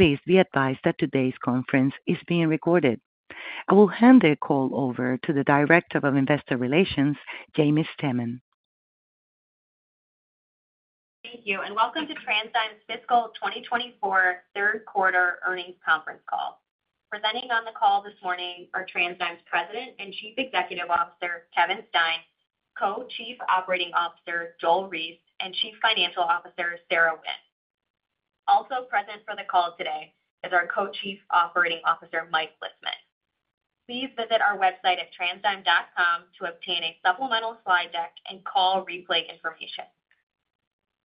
Please be advised that today's conference is being recorded. I will hand the call over to the Director of Investor Relations, Jaimie Stemen. Thank you, and welcome to TransDigm's Fiscal 2024 third quarter earnings conference call. Presenting on the call this morning are TransDigm's President and Chief Executive Officer, Kevin Stein; Co-Chief Operating Officer, Joel Reiss; and Chief Financial Officer, Sarah Wynne. Also present for the call today is our Co-Chief Operating Officer, Mike Lisman. Please visit our website at transdigm.com to obtain a supplemental slide deck and call replay information.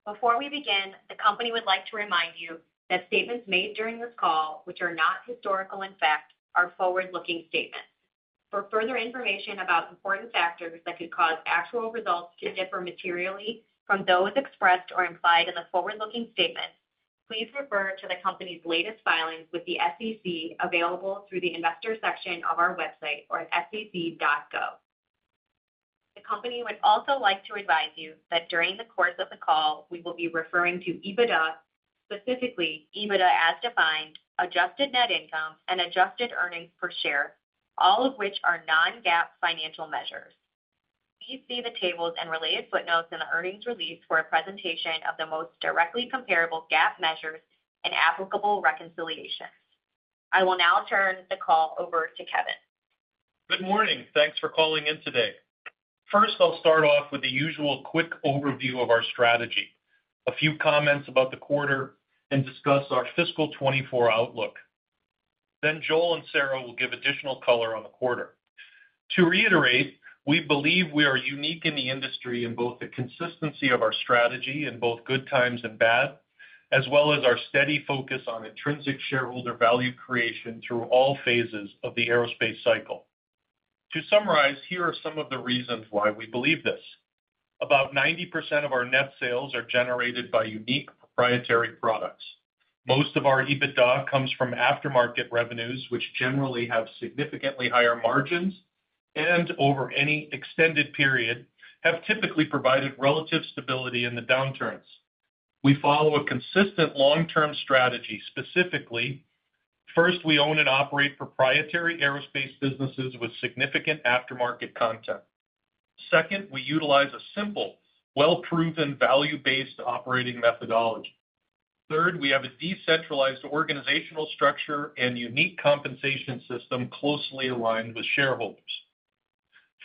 Before we begin, the company would like to remind you that statements made during this call, which are not historical in fact, are forward-looking statements. For further information about important factors that could cause actual results to differ materially from those expressed or implied in the forward-looking statements, please refer to the company's latest filings with the SEC, available through the Investors section of our website or at sec.gov. The company would also like to advise you that during the course of the call, we will be referring to EBITDA, specifically EBITDA As Defined, Adjusted Net Income, and Adjusted Earnings Per Share, all of which are non-GAAP financial measures. Please see the tables and related footnotes in the earnings release for a presentation of the most directly comparable GAAP measures and applicable reconciliations. I will now turn the call over to Kevin. Good morning. Thanks for calling in today. First, I'll start off with the usual quick overview of our strategy, a few comments about the quarter, and discuss our fiscal 2024 outlook. Then Joel and Sarah will give additional color on the quarter. To reiterate, we believe we are unique in the industry in both the consistency of our strategy in both good times and bad, as well as our steady focus on intrinsic shareholder value creation through all phases of the aerospace cycle. To summarize, here are some of the reasons why we believe this. About 90% of our net sales are generated by unique proprietary products. Most of our EBITDA comes from aftermarket revenues, which generally have significantly higher margins, and over any extended period, have typically provided relative stability in the downturns. We follow a consistent long-term strategy, specifically: first, we own and operate proprietary aerospace businesses with significant aftermarket content. Second, we utilize a simple, well-proven, value-based operating methodology. Third, we have a decentralized organizational structure and unique compensation system closely aligned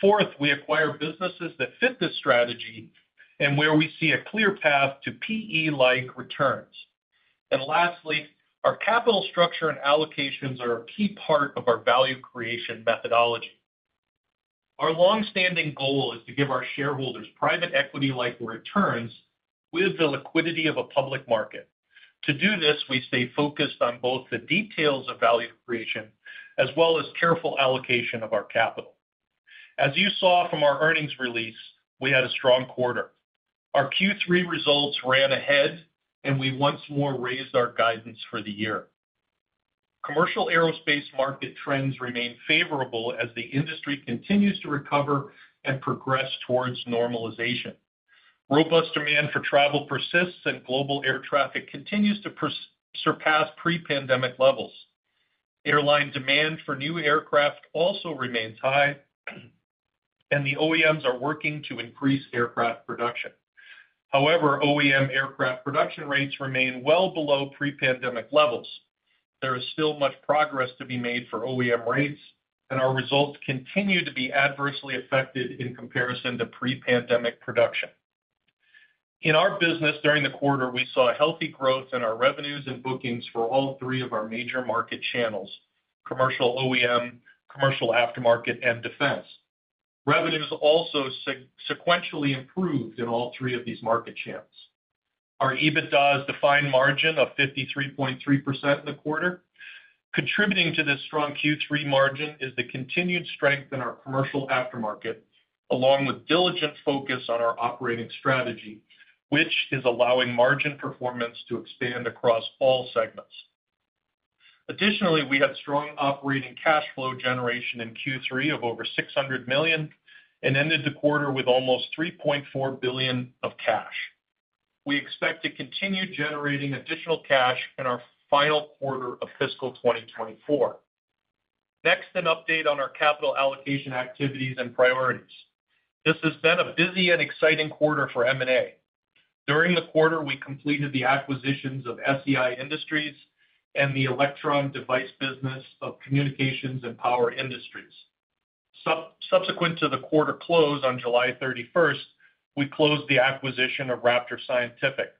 with shareholders. Fourth, we acquire businesses that fit this strategy and where we see a clear path to PE-like returns. And lastly, our capital structure and allocations are a key part of our value creation methodology. Our long-standing goal is to give our shareholders private equity-like returns with the liquidity of a public market. To do this, we stay focused on both the details of value creation as well as careful allocation of our capital. As you saw from our earnings release, we had a strong quarter. Our Q3 results ran ahead, and we once more raised our guidance for the year. Commercial aerospace market trends remain favorable as the industry continues to recover and progress towards normalization. Robust demand for travel persists, and global air traffic continues to surpass pre-pandemic levels. Airline demand for new aircraft also remains high, and the OEMs are working to increase aircraft production. However, OEM aircraft production rates remain well below pre-pandemic levels. There is still much progress to be made for OEM rates, and our results continue to be adversely affected in comparison to pre-pandemic production. In our business during the quarter, we saw a healthy growth in our revenues and bookings for all three of our major market channels: commercial OEM, commercial aftermarket, and defense. Revenues also sequentially improved in all three of these market channels. Our EBITDA as defined margin of 53.3% in the quarter. Contributing to this strong Q3 margin is the continued strength in our commercial aftermarket, along with diligent focus on our operating strategy, which is allowing margin performance to expand across all segments. Additionally, we had strong operating cash flow generation in Q3 of over $600 million and ended the quarter with almost $3.4 billion of cash. We expect to continue generating additional cash in our final quarter of fiscal 2024. Next, an update on our capital allocation activities and priorities. This has been a busy and exciting quarter for M&A. During the quarter, we completed the acquisitions of SEI Industries and the Electron Device Business of Communications and Power Industries. Subsequent to the quarter close on July 31, we closed the acquisition of Raptor Scientific.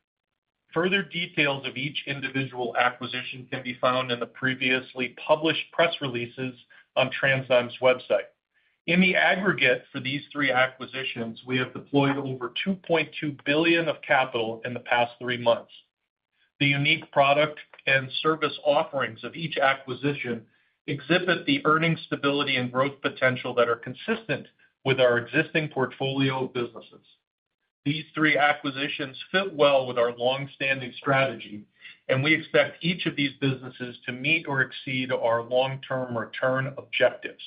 Further details of each individual acquisition can be found in the previously published press releases on TransDigm's website. In the aggregate, for these three acquisitions, we have deployed over $2.2 billion of capital in the past three months. The unique product and service offerings of each acquisition exhibit the earnings stability and growth potential that are consistent with our existing portfolio of businesses. These three acquisitions fit well with our long-standing strategy, and we expect each of these businesses to meet or exceed our long-term return objectives.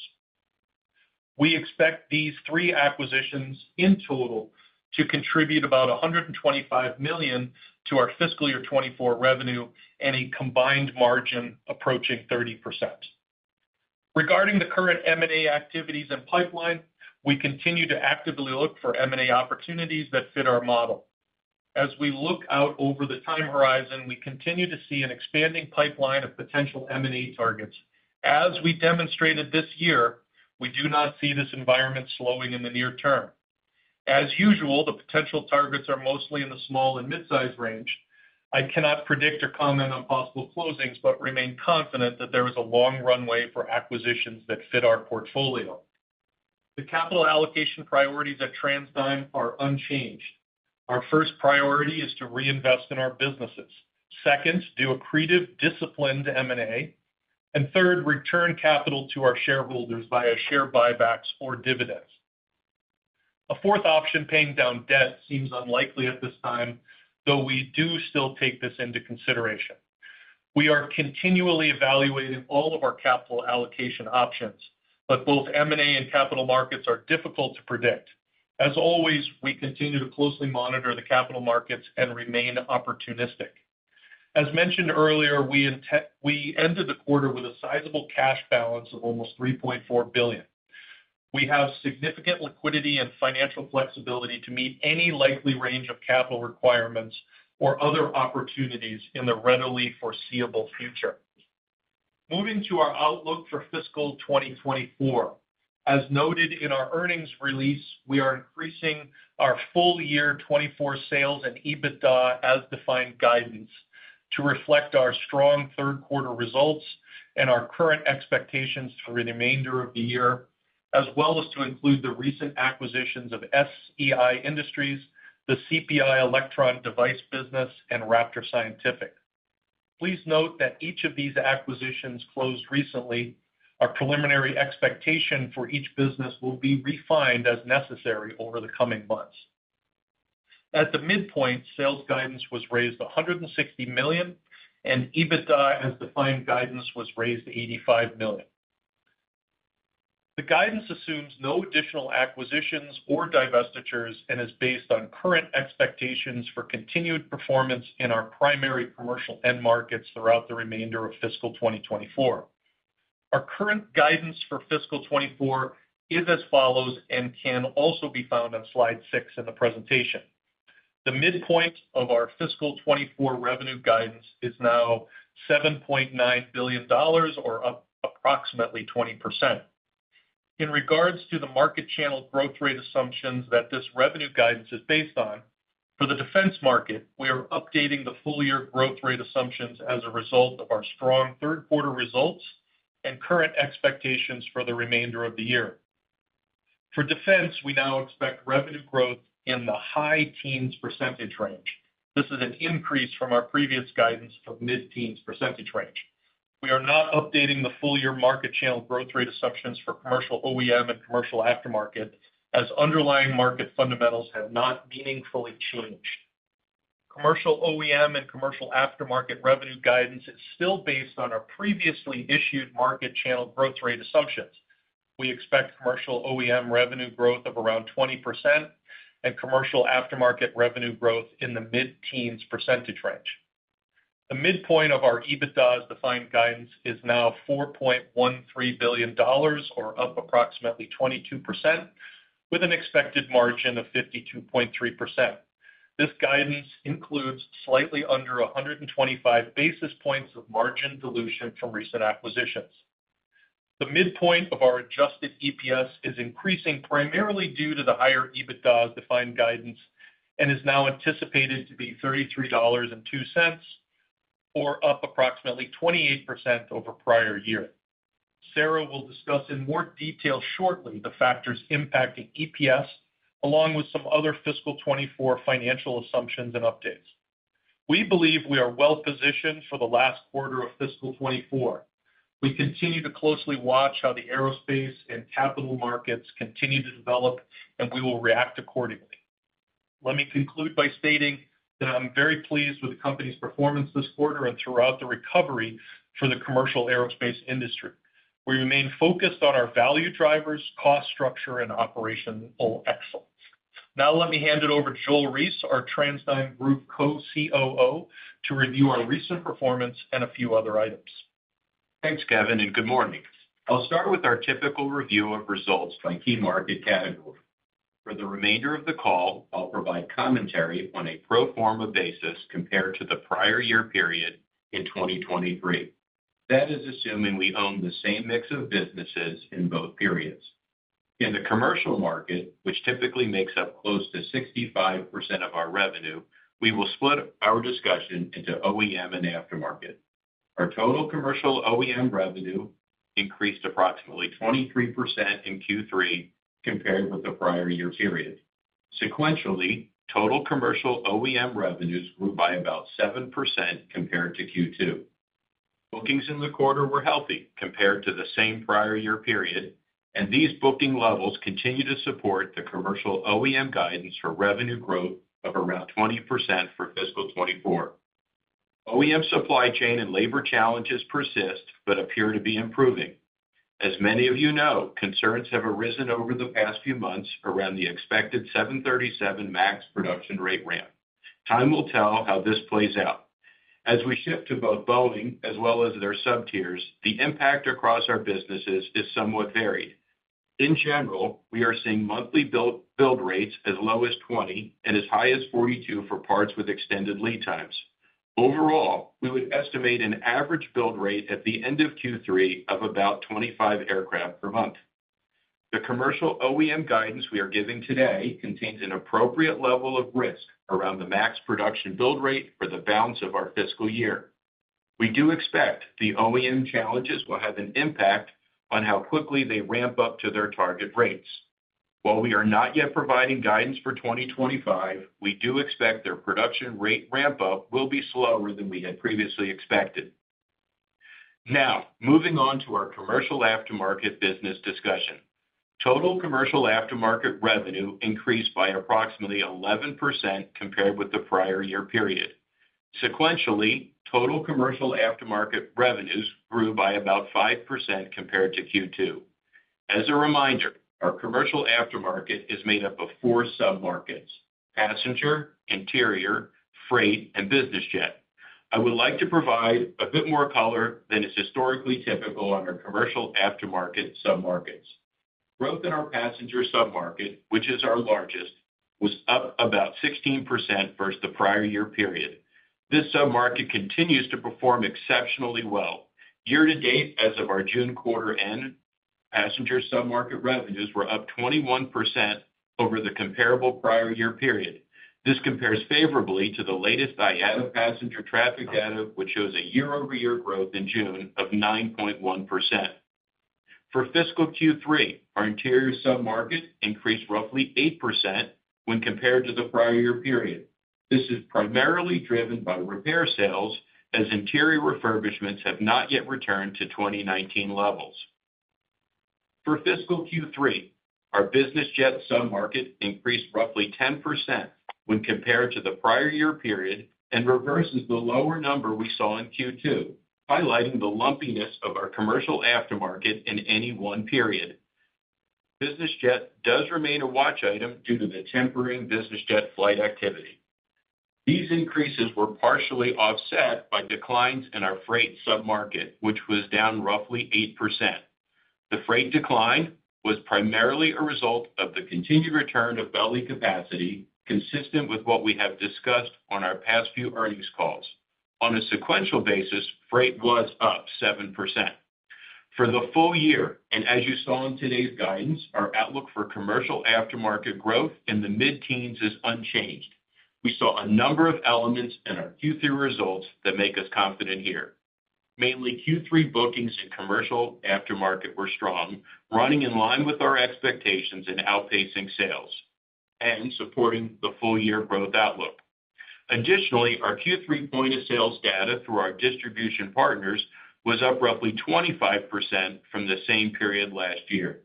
We expect these three acquisitions in total to contribute about $125 million to our fiscal year 2024 revenue and a combined margin approaching 30%. Regarding the current M&A activities and pipeline, we continue to actively look for M&A opportunities that fit our model. As we look out over the time horizon, we continue to see an expanding pipeline of potential M&A targets. As we demonstrated this year, we do not see this environment slowing in the near term. As usual, the potential targets are mostly in the small and mid-size range. I cannot predict or comment on possible closings, but remain confident that there is a long runway for acquisitions that fit our portfolio. The capital allocation priorities at TransDigm are unchanged. Our first priority is to reinvest in our businesses. Second, do accretive, disciplined M&A, and third, return capital to our shareholders via share buybacks or dividends. A fourth option, paying down debt, seems unlikely at this time, though we do still take this into consideration. We are continually evaluating all of our capital allocation options, but both M&A and capital markets are difficult to predict. As always, we continue to closely monitor the capital markets and remain opportunistic. As mentioned earlier, we ended the quarter with a sizable cash balance of almost $3.4 billion. We have significant liquidity and financial flexibility to meet any likely range of capital requirements or other opportunities in the readily foreseeable future. Moving to our outlook for fiscal 2024. As noted in our earnings release, we are increasing our full year 2024 sales and EBITDA as defined guidance to reflect our strong third quarter results and our current expectations for the remainder of the year, as well as to include the recent acquisitions of SEI Industries, the CPI Electron Device Business, and Raptor Scientific. Please note that each of these acquisitions closed recently. Our preliminary expectation for each business will be refined as necessary over the coming months. At the midpoint, sales guidance was raised $160 million, and EBITDA, as defined guidance, was raised $85 million. The guidance assumes no additional acquisitions or divestitures and is based on current expectations for continued performance in our primary commercial end markets throughout the remainder of fiscal 2024. Our current guidance for fiscal 2024 is as follows, and can also be found on slide six in the presentation. The midpoint of our fiscal 2024 revenue guidance is now $7.9 billion, or up approximately 20%. In regards to the market channel growth rate assumptions that this revenue guidance is based on, for the defense market, we are updating the full year growth rate assumptions as a result of our strong third quarter results and current expectations for the remainder of the year. For defense, we now expect revenue growth in the high teens percentage range. This is an increase from our previous guidance of mid-teens percentage range. We are not updating the full year market channel growth rate assumptions for commercial OEM and commercial aftermarket, as underlying market fundamentals have not meaningfully changed. Commercial OEM and commercial aftermarket revenue guidance is still based on our previously issued market channel growth rate assumptions. We expect commercial OEM revenue growth of around 20% and commercial aftermarket revenue growth in the mid-teens % range. The midpoint of our EBITDA as defined guidance is now $4.13 billion, or up approximately 22%, with an expected margin of 52.3%. This guidance includes slightly under 125 basis points of margin dilution from recent acquisitions. The midpoint of our adjusted EPS is increasing primarily due to the higher EBITDA as defined guidance and is now anticipated to be $33.02, or up approximately 28% over prior year. Sarah will discuss in more detail shortly the factors impacting EPS, along with some other fiscal 2024 financial assumptions and updates. We believe we are well positioned for the last quarter of fiscal 2024. We continue to closely watch how the aerospace and capital markets continue to develop, and we will react accordingly. Let me conclude by stating that I'm very pleased with the company's performance this quarter and throughout the recovery for the commercial aerospace industry. We remain focused on our value drivers, cost structure, and operational excellence. Now let me hand it over to Joel Reiss, our TransDigm Group Co-COO, to review our recent performance and a few other items. Thanks, Kevin, and good morning. I'll start with our typical review of results by key market category. For the remainder of the call, I'll provide commentary on a pro forma basis compared to the prior year period in 2023. That is assuming we own the same mix of businesses in both periods. In the commercial market, which typically makes up close to 65% of our revenue, we will split our discussion into OEM and aftermarket. Our total commercial OEM revenue increased approximately 23% in Q3 compared with the prior year period. Sequentially, total commercial OEM revenues grew by about 7% compared to Q2. Bookings in the quarter were healthy compared to the same prior year period, and these booking levels continue to support the commercial OEM guidance for revenue growth of around 20% for fiscal 2024.... OEM supply chain and labor challenges persist, but appear to be improving. As many of you know, concerns have arisen over the past few months around the expected 737 MAX production rate ramp. Time will tell how this plays out. As we ship to both Boeing as well as their sub tiers, the impact across our businesses is somewhat varied. In general, we are seeing monthly build rates as low as 20 and as high as 42 for parts with extended lead times. Overall, we would estimate an average build rate at the end of Q3 of about 25 aircraft per month. The commercial OEM guidance we are giving today contains an appropriate level of risk around the MAX production build rate for the balance of our fiscal year. We do expect the OEM challenges will have an impact on how quickly they ramp up to their target rates. While we are not yet providing guidance for 2025, we do expect their production rate ramp up will be slower than we had previously expected. Now, moving on to our commercial aftermarket business discussion. Total commercial aftermarket revenue increased by approximately 11% compared with the prior year period. Sequentially, total commercial aftermarket revenues grew by about 5% compared to Q2. As a reminder, our commercial aftermarket is made up of four submarkets: passenger, interior, freight, and business jet. I would like to provide a bit more color than is historically typical on our commercial aftermarket submarkets. Growth in our passenger submarket, which is our largest, was up about 16% versus the prior year period. This submarket continues to perform exceptionally well. Year to date, as of our June quarter end, passenger submarket revenues were up 21% over the comparable prior year period. This compares favorably to the latest IATA passenger traffic data, which shows a year-over-year growth in June of 9.1%. For fiscal Q3, our interior submarket increased roughly 8% when compared to the prior year period. This is primarily driven by repair sales, as interior refurbishments have not yet returned to 2019 levels. For fiscal Q3, our business jet submarket increased roughly 10% when compared to the prior year period, and reverses the lower number we saw in Q2, highlighting the lumpiness of our commercial aftermarket in any one period. Business jet does remain a watch item due to the tempering business jet flight activity. These increases were partially offset by declines in our freight submarket, which was down roughly 8%. The freight decline was primarily a result of the continued return of belly capacity, consistent with what we have discussed on our past few earnings calls. On a sequential basis, freight was up 7%. For the full year, and as you saw in today's guidance, our outlook for commercial aftermarket growth in the mid-teens is unchanged. We saw a number of elements in our Q3 results that make us confident here. Mainly, Q3 bookings in commercial aftermarket were strong, running in line with our expectations in outpacing sales and supporting the full year growth outlook. Additionally, our Q3 point of sales data through our distribution partners was up roughly 25% from the same period last year.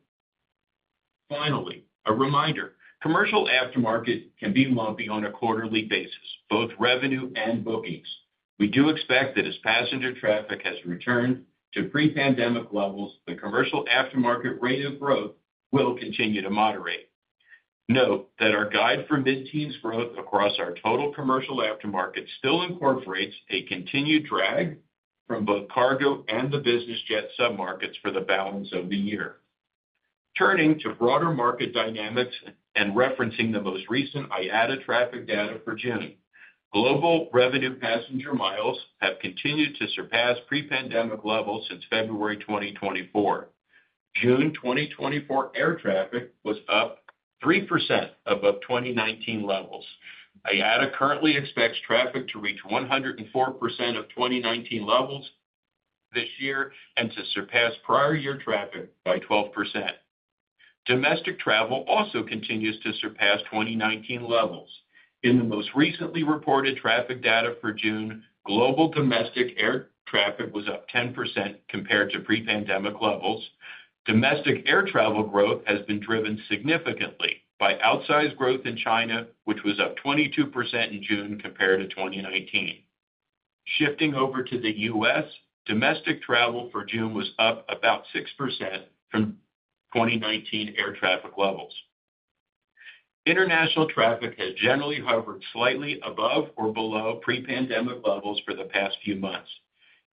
Finally, a reminder, commercial aftermarket can be lumpy on a quarterly basis, both revenue and bookings. We do expect that as passenger traffic has returned to pre-pandemic levels, the commercial aftermarket rate of growth will continue to moderate. Note that our guide for mid-teens growth across our total commercial aftermarket still incorporates a continued drag from both cargo and the business jet submarkets for the balance of the year. Turning to broader market dynamics and referencing the most recent IATA traffic data for June, global revenue passenger miles have continued to surpass pre-pandemic levels since February 2024. June 2024 air traffic was up 3% above 2019 levels. IATA currently expects traffic to reach 104% of 2019 levels this year and to surpass prior year traffic by 12%. Domestic travel also continues to surpass 2019 levels. In the most recently reported traffic data for June, global domestic air traffic was up 10% compared to pre-pandemic levels. Domestic air travel growth has been driven significantly by outsized growth in China, which was up 22% in June compared to 2019. Shifting over to the U.S., domestic travel for June was up about 6% from 2019 air traffic levels. International traffic has generally hovered slightly above or below pre-pandemic levels for the past few months.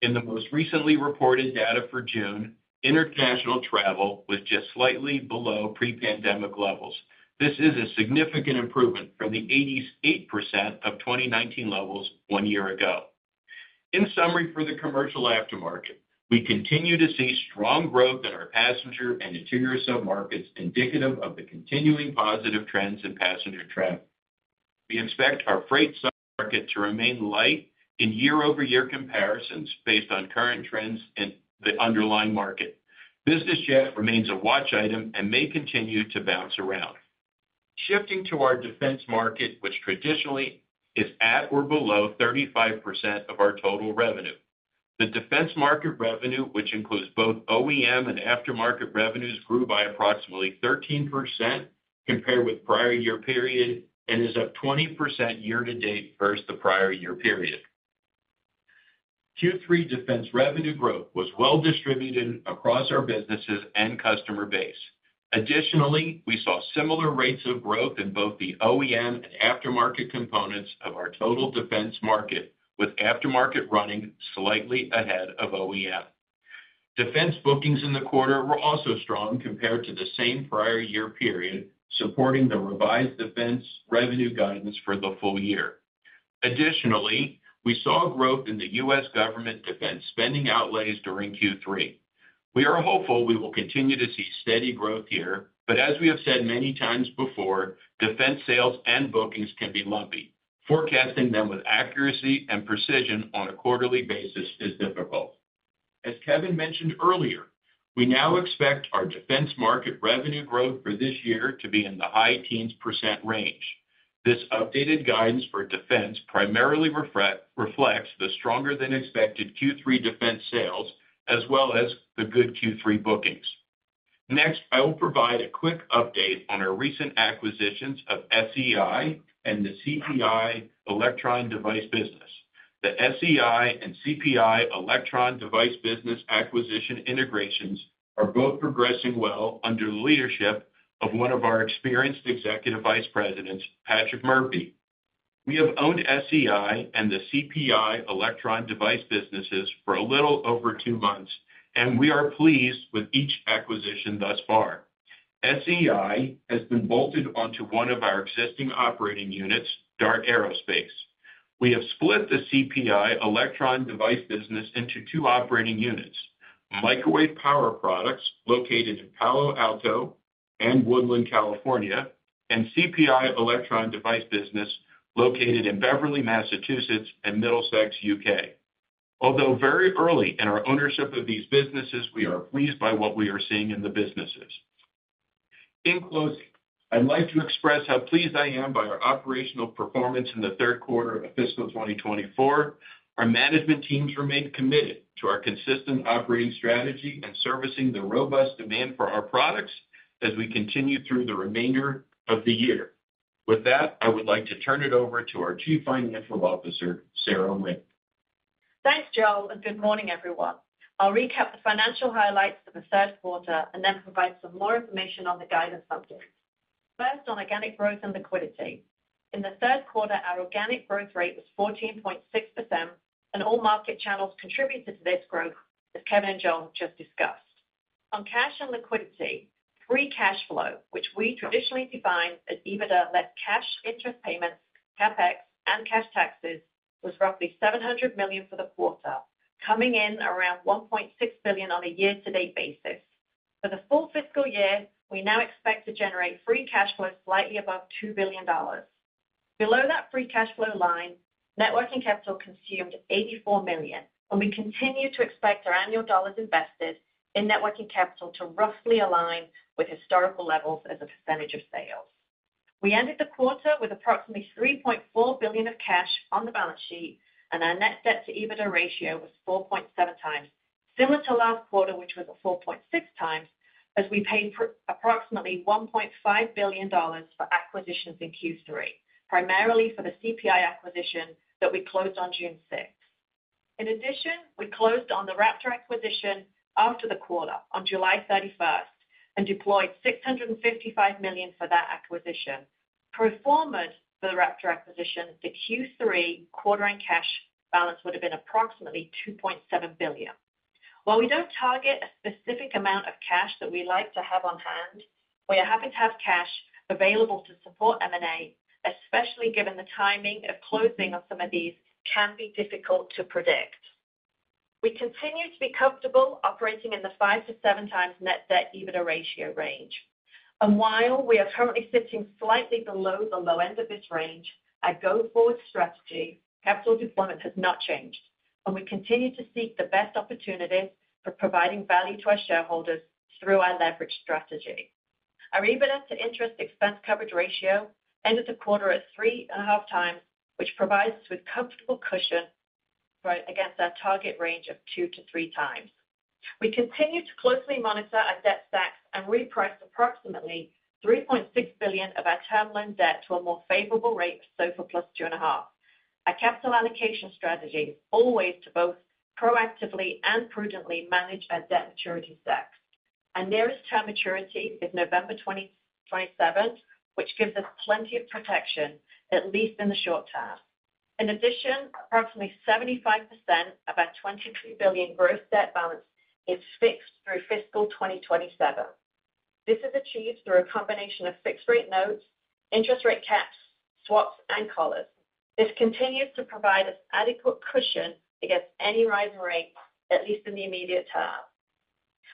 In the most recently reported data for June, international travel was just slightly below pre-pandemic levels. This is a significant improvement from the 88% of 2019 levels one year ago. In summary, for the commercial aftermarket, we continue to see strong growth in our passenger and interior submarkets, indicative of the continuing positive trends in passenger travel. We expect our freight submarket to remain light in year-over-year comparisons based on current trends in the underlying market. Business jet remains a watch item and may continue to bounce around. Shifting to our defense market, which traditionally is at or below 35% of our total revenue. The defense market revenue, which includes both OEM and aftermarket revenues, grew by approximately 13% compared with prior-year period and is up 20% year-to-date versus the prior-year period. Q3 defense revenue growth was well distributed across our businesses and customer base. Additionally, we saw similar rates of growth in both the OEM and aftermarket components of our total defense market, with aftermarket running slightly ahead of OEM. Defense bookings in the quarter were also strong compared to the same prior-year period, supporting the revised defense revenue guidance for the full year. Additionally, we saw growth in the U.S. government defense spending outlays during Q3. We are hopeful we will continue to see steady growth here, but as we have said many times before, defense sales and bookings can be lumpy. Forecasting them with accuracy and precision on a quarterly basis is difficult. As Kevin mentioned earlier, we now expect our defense market revenue growth for this year to be in the high teens% range. This updated guidance for defense primarily reflects the stronger than expected Q3 defense sales, as well as the good Q3 bookings. Next, I will provide a quick update on our recent acquisitions of SEI and the CPI Electron Device Business. The SEI and CPI Electron Device Business acquisition integrations are both progressing well under the leadership of one of our experienced executive vice presidents, Patrick Murphy. We have owned SEI and the CPI Electron Device Businesses for a little over two months, and we are pleased with each acquisition thus far. SEI has been bolted onto one of our existing operating units, DART Aerospace. We have split the CPI Electron Device Business into two operating units: Microwave Power Products, located in Palo Alto and Woodland, California, and CPI Electron Device Business, located in Beverly, Massachusetts, and Middlesex, U.K.. Although very early in our ownership of these businesses, we are pleased by what we are seeing in the businesses. In closing, I'd like to express how pleased I am by our operational performance in the third quarter of fiscal 2024. Our management teams remain committed to our consistent operating strategy and servicing the robust demand for our products as we continue through the remainder of the year. With that, I would like to turn it over to our Chief Financial Officer, Sarah Wynne. Thanks, Joel, and good morning, everyone. I'll recap the financial highlights for the third quarter and then provide some more information on the guidance subject. First, on organic growth and liquidity. In the third quarter, our organic growth rate was 14.6%, and all market channels contributed to this growth, as Kevin and Joel just discussed. On cash and liquidity, free cash flow, which we traditionally define as EBITDA, less cash interest payments, CapEx, and cash taxes, was roughly $700 million for the quarter, coming in around $1.6 billion on a year-to-date basis. For the full fiscal year, we now expect to generate free cash flow slightly above $2 billion. Below that free cash flow line, net working capital consumed $84 million, and we continue to expect our annual dollars invested in net working capital to roughly align with historical levels as a percentage of sales. We ended the quarter with approximately $3.4 billion of cash on the balance sheet, and our net debt to EBITDA ratio was 4.7x, similar to last quarter, which was at 4.6x, as we paid approximately $1.5 billion for acquisitions in Q3, primarily for the CPI acquisition that we closed on June 6. In addition, we closed on the Raptor acquisition after the quarter, on July 31, and deployed $655 million for that acquisition. Pro forma for the Raptor acquisition, the Q3 quarter and cash balance would have been approximately $2.7 billion. While we don't target a specific amount of cash that we like to have on hand, we are happy to have cash available to support M&A, especially given the timing of closing of some of these can be difficult to predict. We continue to be comfortable operating in the five to seven times net debt EBITDA ratio range. While we are currently sitting slightly below the low end of this range, our go-forward strategy, capital deployment has not changed, and we continue to seek the best opportunities for providing value to our shareholders through our leverage strategy. Our EBITDA to interest expense coverage ratio ended the quarter at 3.5x, which provides us with comfortable cushion right against our target range of two to three times. We continue to closely monitor our debt stack and reprice approximately $3.6 billion of our term loan debt to a more favorable rate of SOFR plus 2.5. Our capital allocation strategy is always to both proactively and prudently manage our debt maturity stack, and nearest term maturity is November 2027, which gives us plenty of protection, at least in the short term. In addition, approximately 75% of our $23 billion gross debt balance is fixed through fiscal 2027. This is achieved through a combination of fixed-rate notes, interest rate caps, swaps, and collars. This continues to provide us adequate cushion against any rising rates, at least in the immediate term.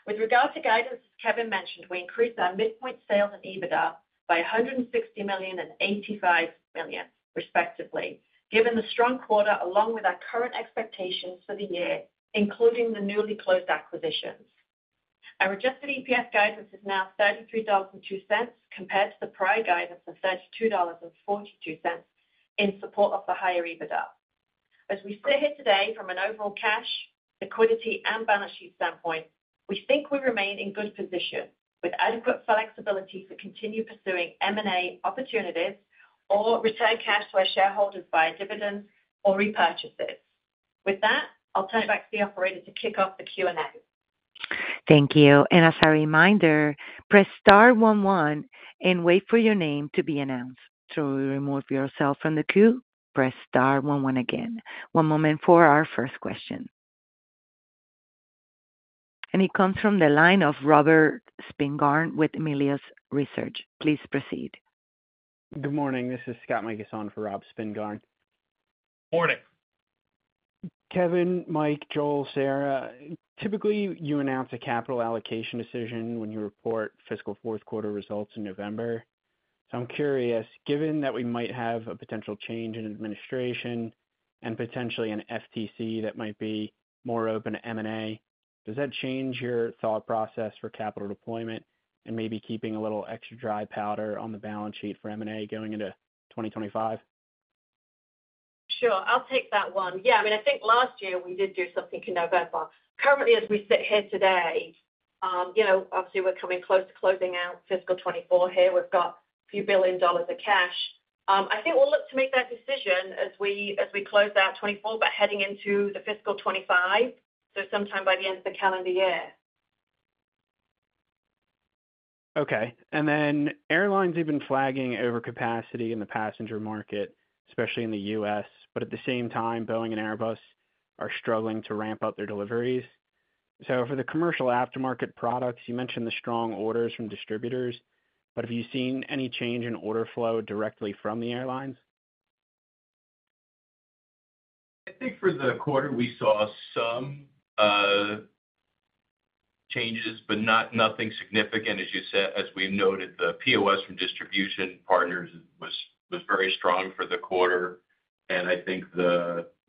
With regard to guidance, as Kevin mentioned, we increased our midpoint sales and EBITDA by $160 million and $85 million, respectively, given the strong quarter, along with our current expectations for the year, including the newly closed acquisitions. Our adjusted EPS guidance is now $33.02, compared to the prior guidance of $32.42, in support of the higher EBITDA. As we sit here today, from an overall cash, liquidity, and balance sheet standpoint, we think we remain in good position, with adequate flexibility to continue pursuing M&A opportunities or return cash to our shareholders via dividends or repurchases. With that, I'll turn it back to the operator to kick off the Q&A. Thank you. As a reminder, press star one one and wait for your name to be announced. To remove yourself from the queue, press star one one again. One moment for our first question. It comes from the line of Robert Spingarn with Melius Research. Please proceed. Good morning. This is Scott Mikus for Rob Spingarn. Morning. Kevin, Mike, Joel, Sarah, typically, you announce a capital allocation decision when you report fiscal fourth quarter results in November. So I'm curious, given that we might have a potential change in administration and potentially an FTC that might be more open to M&A, does that change your thought process for capital deployment and maybe keeping a little extra dry powder on the balance sheet for M&A going into 2025? Sure. I'll take that one. Yeah, I mean, I think last year we did do something in November. Currently, as we sit here today, you know, obviously we're coming close to closing out fiscal 2024 here. We've got a few billion of cash. I think we'll look to make that decision as we, as we close out 2024, but heading into the fiscal 2025, so sometime by the end of the calendar year. Okay. And then airlines have been flagging over capacity in the passenger market, especially in the U.S., but at the same time, Boeing and Airbus are struggling to ramp up their deliveries. So for the commercial aftermarket products, you mentioned the strong orders from distributors, but have you seen any change in order flow directly from the airlines? I think for the quarter, we saw some changes, but not nothing significant. As you said, as we noted, the POS from distribution partners was very strong for the quarter, and I think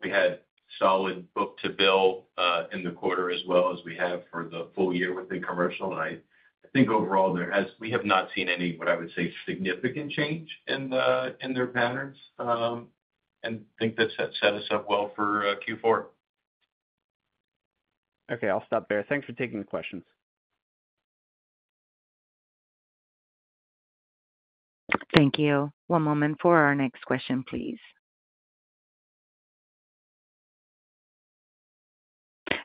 we had solid book-to-bill in the quarter as well as we have for the full year within commercial. And I think overall, we have not seen any, what I would say, significant change in the, in their patterns, and think that's set us up well for Q4. Okay, I'll stop there. Thanks for taking the questions. Thank you. One moment for our next question, please.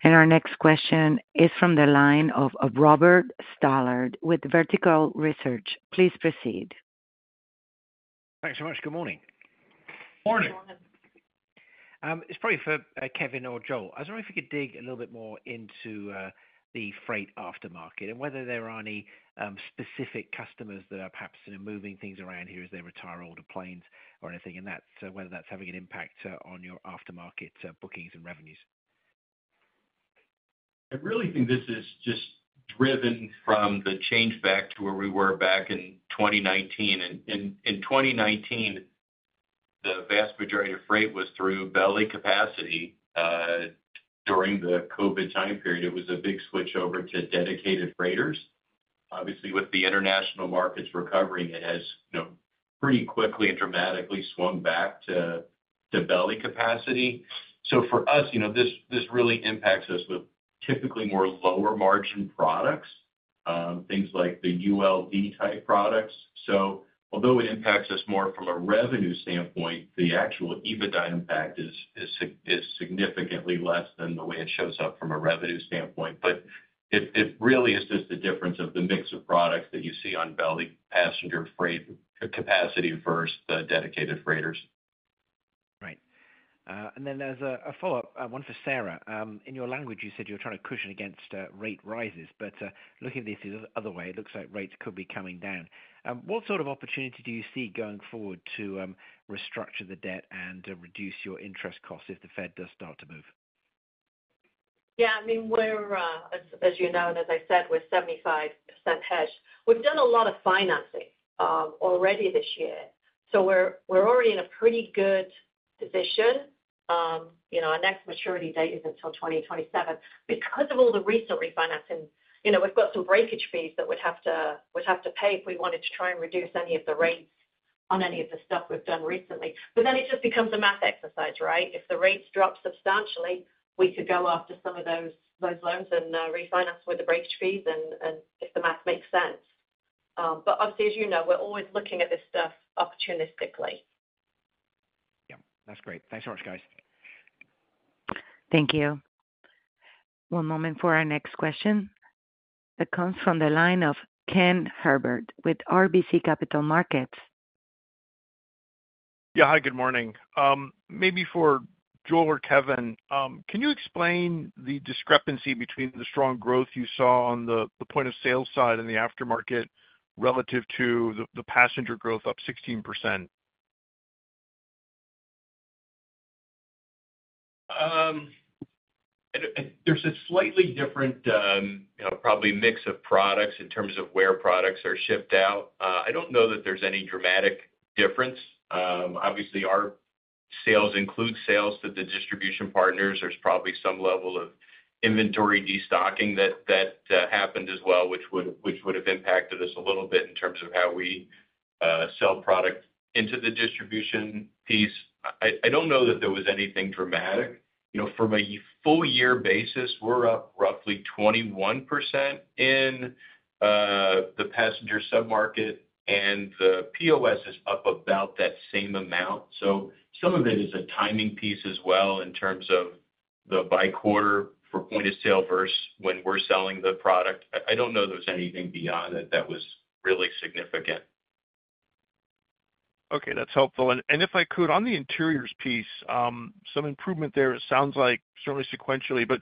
And our next question is from the line of Robert Stallard with Vertical Research. Please proceed. Thanks so much. Good morning. Morning. Good morning. It's probably for Kevin or Joel. I was wondering if you could dig a little bit more into the freight aftermarket and whether there are any specific customers that are perhaps sort of moving things around here as they retire older planes or anything, and that's whether that's having an impact on your aftermarket bookings and revenues. I really think this is just driven from the change back to where we were back in 2019. In 2019, the vast majority of freight was through belly capacity. During the COVID time period, it was a big switch over to dedicated freighters. Obviously, with the international markets recovering, it has, you know, pretty quickly and dramatically swung back to belly capacity. So for us, you know, this really impacts us with typically more lower margin products, things like the ULD type products. So although it impacts us more from a revenue standpoint, the actual EBITDA impact is significantly less than the way it shows up from a revenue standpoint. But it really is just the difference of the mix of products that you see on belly passenger freight capacity versus the dedicated freighters. Right. And then there's a follow-up one for Sarah. In your language, you said you were trying to cushion against rate rises, but looking at this the other way, it looks like rates could be coming down. What sort of opportunity do you see going forward to restructure the debt and reduce your interest costs if the Fed does start to move? Yeah, I mean, we're, as you know, and as I said, we're 75% hedged. We've done a lot of financing already this year, so we're already in a pretty good position. You know, our next maturity date is until 2027. Because of all the recent refinancing, you know, we've got some breakage fees that we'd have to pay if we wanted to try and reduce any of the rates on any of the stuff we've done recently. But then it just becomes a math exercise, right? If the rates drop substantially, we could go after some of those loans and refinance with the breakage fees and if the math makes sense. But obviously, as you know, we're always looking at this stuff opportunistically. Yeah. That's great. Thanks so much, guys. Thank you. One moment for our next question that comes from the line of Ken Herbert with RBC Capital Markets. Yeah, hi, good morning. Maybe for Joel or Kevin, can you explain the discrepancy between the strong growth you saw on the point of sales side in the aftermarket relative to the passenger growth up 16%? There's a slightly different, you know, probably mix of products in terms of where products are shipped out. I don't know that there's any dramatic difference. Obviously, our sales include sales to the distribution partners. There's probably some level of inventory destocking that happened as well, which would have impacted us a little bit in terms of how we sell product into the distribution piece. I don't know that there was anything dramatic. You know, from a full year basis, we're up roughly 21% in the passenger sub-market, and the POS is up about that same amount. So some of it is a timing piece as well, in terms of the buy quarter for point of sale versus when we're selling the product. I don't know there's anything beyond it that was really significant. Okay, that's helpful. And if I could, on the interiors piece, some improvement there, it sounds like, certainly sequentially, but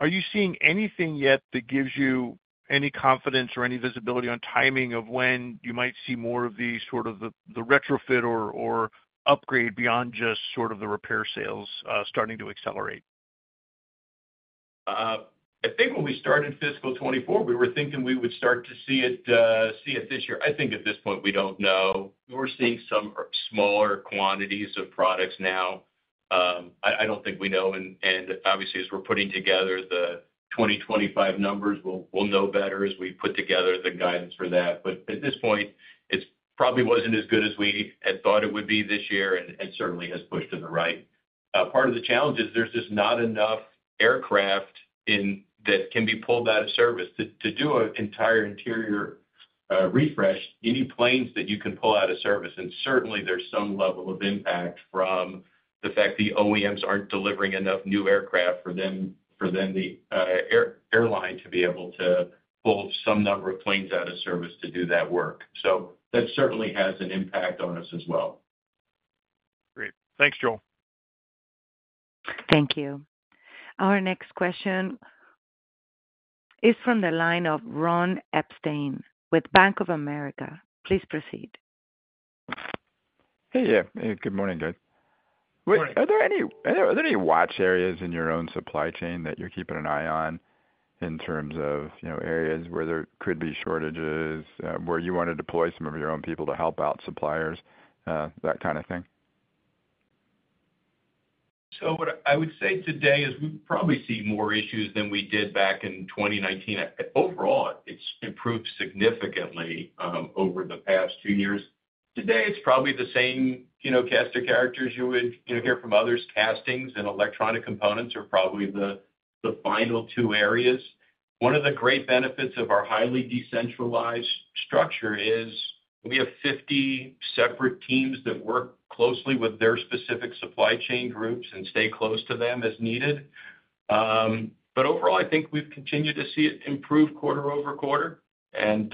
are you seeing anything yet that gives you any confidence or any visibility on timing of when you might see more of the sort of the retrofit or upgrade beyond just sort of the repair sales starting to accelerate? I think when we started fiscal 2024, we were thinking we would start to see it, see it this year. I think at this point, we don't know. We're seeing some smaller quantities of products now. I don't think we know, and obviously, as we're putting together the 2025 numbers, we'll know better as we put together the guidance for that. But at this point, it's probably wasn't as good as we had thought it would be this year and certainly has pushed to the right. Part of the challenge is there's just not enough aircraft in that can be pulled out of service. To do an entire interior refresh, you need planes that you can pull out of service, and certainly there's some level of impact from the fact the OEMs aren't delivering enough new aircraft for them for the airline to be able to pull some number of planes out of service to do that work. So that certainly has an impact on us as well. Great. Thanks, Joel. Thank you. Our next question is from the line of Ron Epstein with Bank of America. Please proceed. Hey, yeah. Good morning, guys. Good morning. Are there any watch areas in your own supply chain that you're keeping an eye on in terms of, you know, areas where there could be shortages, where you want to deploy some of your own people to help out suppliers, that kind of thing? So what I would say today is we probably see more issues than we did back in 2019. Overall, it's improved significantly over the past two years. Today, it's probably the same, you know, cast of characters you would, you know, hear from others, castings and electronic components are probably the final two areas. One of the great benefits of our highly decentralized structure is we have 50 separate teams that work closely with their specific supply chain groups and stay close to them as needed. But overall, I think we've continued to see it improve quarter-over-quarter, and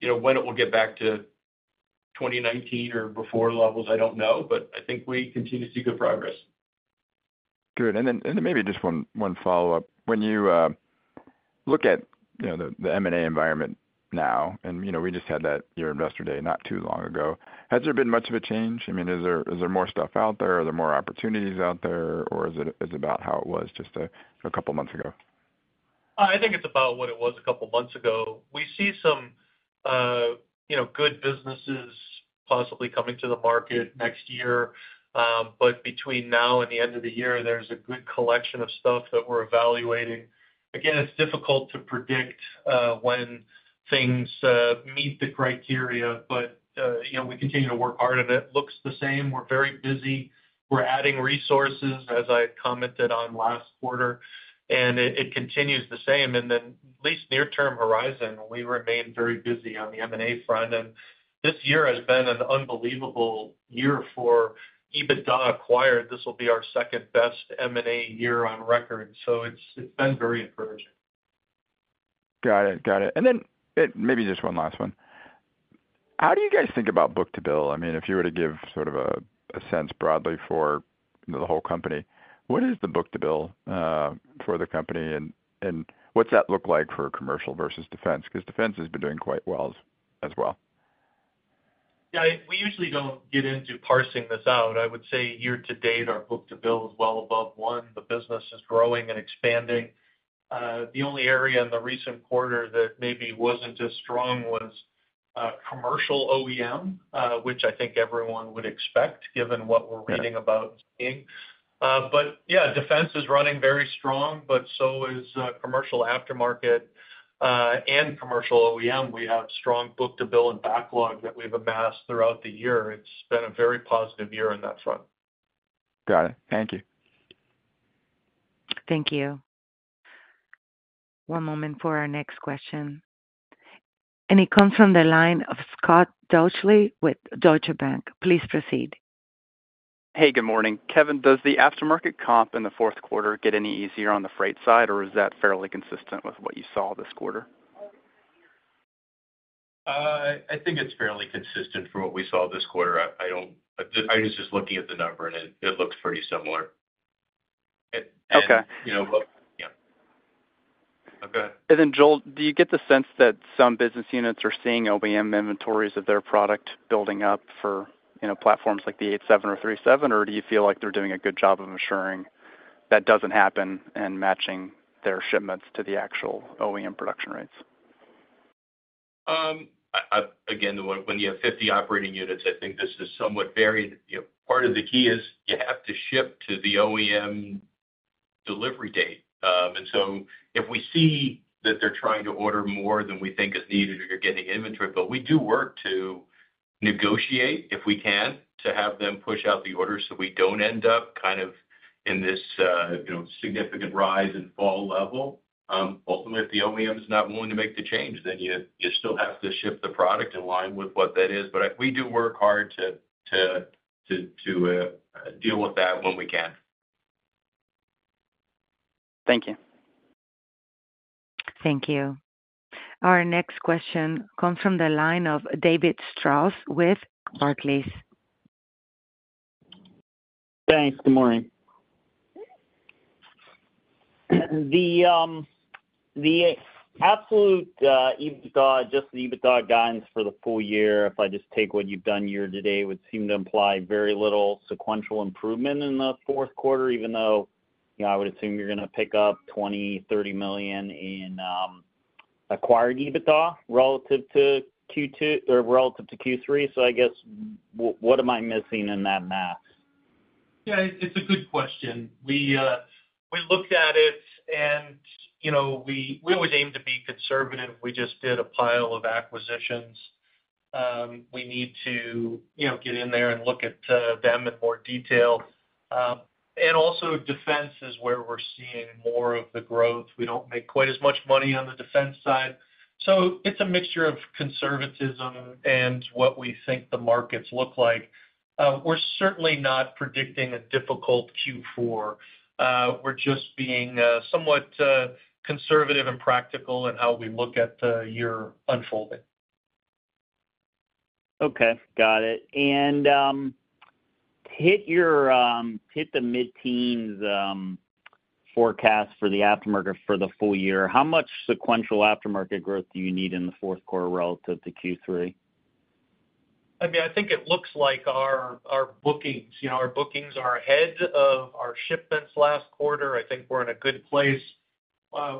you know, when it will get back to 2019 or before levels, I don't know, but I think we continue to see good progress. Good. And then maybe just one follow-up. When you look at, you know, the M&A environment now, and, you know, we just had that your investor day, not too long ago, has there been much of a change? I mean, is there more stuff out there? Are there more opportunities out there, or is it about how it was just a couple of months ago? I think it's about what it was a couple of months ago. We see some, you know, good businesses possibly coming to the market next year, but between now and the end of the year, there's a good collection of stuff that we're evaluating. Again, it's difficult to predict when things meet the criteria, but, you know, we continue to work hard, and it looks the same. We're very busy. We're adding resources, as I had commented on last quarter, and it continues the same. And then, at least near term horizon, we remain very busy on the M&A front, and this year has been an unbelievable year for EBITDA acquired. This will be our second-best M&A year on record, so it's been very encouraging. Got it. Got it. And then maybe just one last one: How do you guys think about book-to-bill? I mean, if you were to give sort of a sense broadly for, you know, the whole company, what is the book-to-bill for the company, and what's that look like for commercial versus defense? Because defense has been doing quite well as well. Yeah, we usually don't get into parsing this out. I would say year to date, our book to bill is well above one. The business is growing and expanding. The only area in the recent quarter that maybe wasn't as strong was commercial OEM, which I think everyone would expect given what we're reading about Boeing. But yeah, defense is running very strong, but so is commercial aftermarket and commercial OEM. We have strong book to bill and backlog that we've amassed throughout the year. It's been a very positive year on that front. Got it. Thank you. Thank you. One moment for our next question, and it comes from the line of Scott Deuschle with Deutsche Bank. Please proceed. Hey, good morning. Kevin, does the aftermarket comp in the fourth quarter get any easier on the freight side, or is that fairly consistent with what you saw this quarter? I think it's fairly consistent from what we saw this quarter. I was just looking at the number, and it looks pretty similar. Okay. You know, yeah. Go ahead. And then, Joel, do you get the sense that some business units are seeing OEM inventories of their product building up for, you know, platforms like the 787 or 737, or do you feel like they're doing a good job of ensuring that doesn't happen and matching their shipments to the actual OEM production rates? I again, when you have 50 operating units, I think this is somewhat varied. You know, part of the key is you have to ship to the OEM delivery date. And so if we see that they're trying to order more than we think is needed, or you're getting inventory, but we do work to negotiate, if we can, to have them push out the order, so we don't end up kind of in this, you know, significant rise and fall level. Ultimately, if the OEM is not willing to make the change, then you still have to ship the product in line with what that is. But we do work hard to deal with that when we can. Thank you. Thank you. Our next question comes from the line of David Strauss, with Barclays. Thanks. Good morning. The absolute EBITDA, just the EBITDA guidance for the full year, if I just take what you've done year to date, would seem to imply very little sequential improvement in the fourth quarter, even though, you know, I would assume you're gonna pick up $20 million-$30 million in acquired EBITDA relative to Q2 or relative to Q3. So I guess, what am I missing in that math? Yeah, it's a good question. We looked at it, and, you know, we always aim to be conservative. We just did a pile of acquisitions. We need to, you know, get in there and look at them in more detail. And also defense is where we're seeing more of the growth. We don't make quite as much money on the defense side, so it's a mixture of conservatism and what we think the markets look like. We're certainly not predicting a difficult Q4. We're just being somewhat conservative and practical in how we look at the year unfolding. Okay, got it. And hit the mid-teens forecast for the aftermarket for the full year. How much sequential aftermarket growth do you need in the fourth quarter relative to Q3? I mean, I think it looks like our bookings, you know, our bookings are ahead of our shipments last quarter. I think we're in a good place.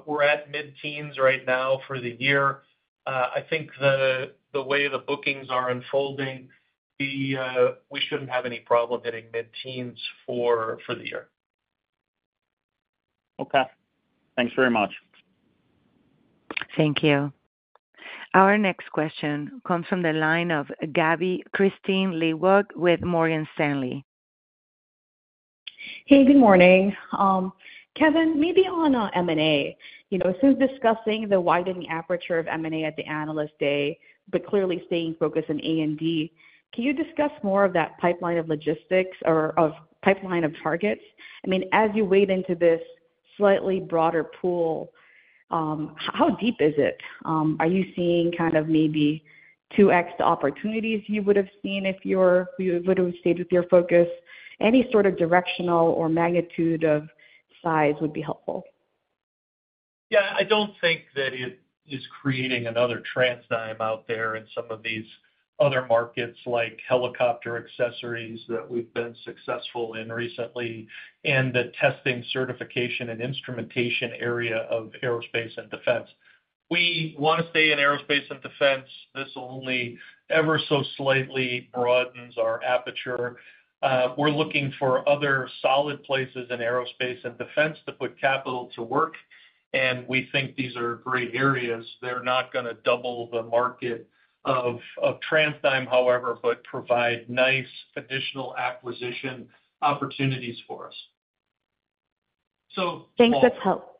We're at mid-teens right now for the year. I think the way the bookings are unfolding, we shouldn't have any problem hitting mid-teens for the year. Okay. Thanks very much. Thank you. Our next question comes from the line of Kristine Liwag, with Morgan Stanley. Hey, good morning. Kevin, maybe on M&A. You know, since discussing the widening aperture of M&A at the Analyst Day, but clearly staying focused on A&D, can you discuss more of that pipeline of logistics or of pipeline of targets? I mean, as you wade into this slightly broader pool, how deep is it? Are you seeing kind of maybe 2x the opportunities you would have seen if you're -- you would have stayed with your focus? Any sort of directional or magnitude of size would be helpful. Yeah, I don't think that it is creating another TransDigm out there in some of these other markets, like helicopter accessories, that we've been successful in recently, and the testing, certification, and instrumentation area of aerospace and defense. We wanna stay in aerospace and defense. This only ever so slightly broadens our aperture. We're looking for other solid places in aerospace and defense to put capital to work, and we think these are great areas. They're not gonna double the market of TransDigm, however, but provide nice additional acquisition opportunities for us. So- Thanks. That's helpful.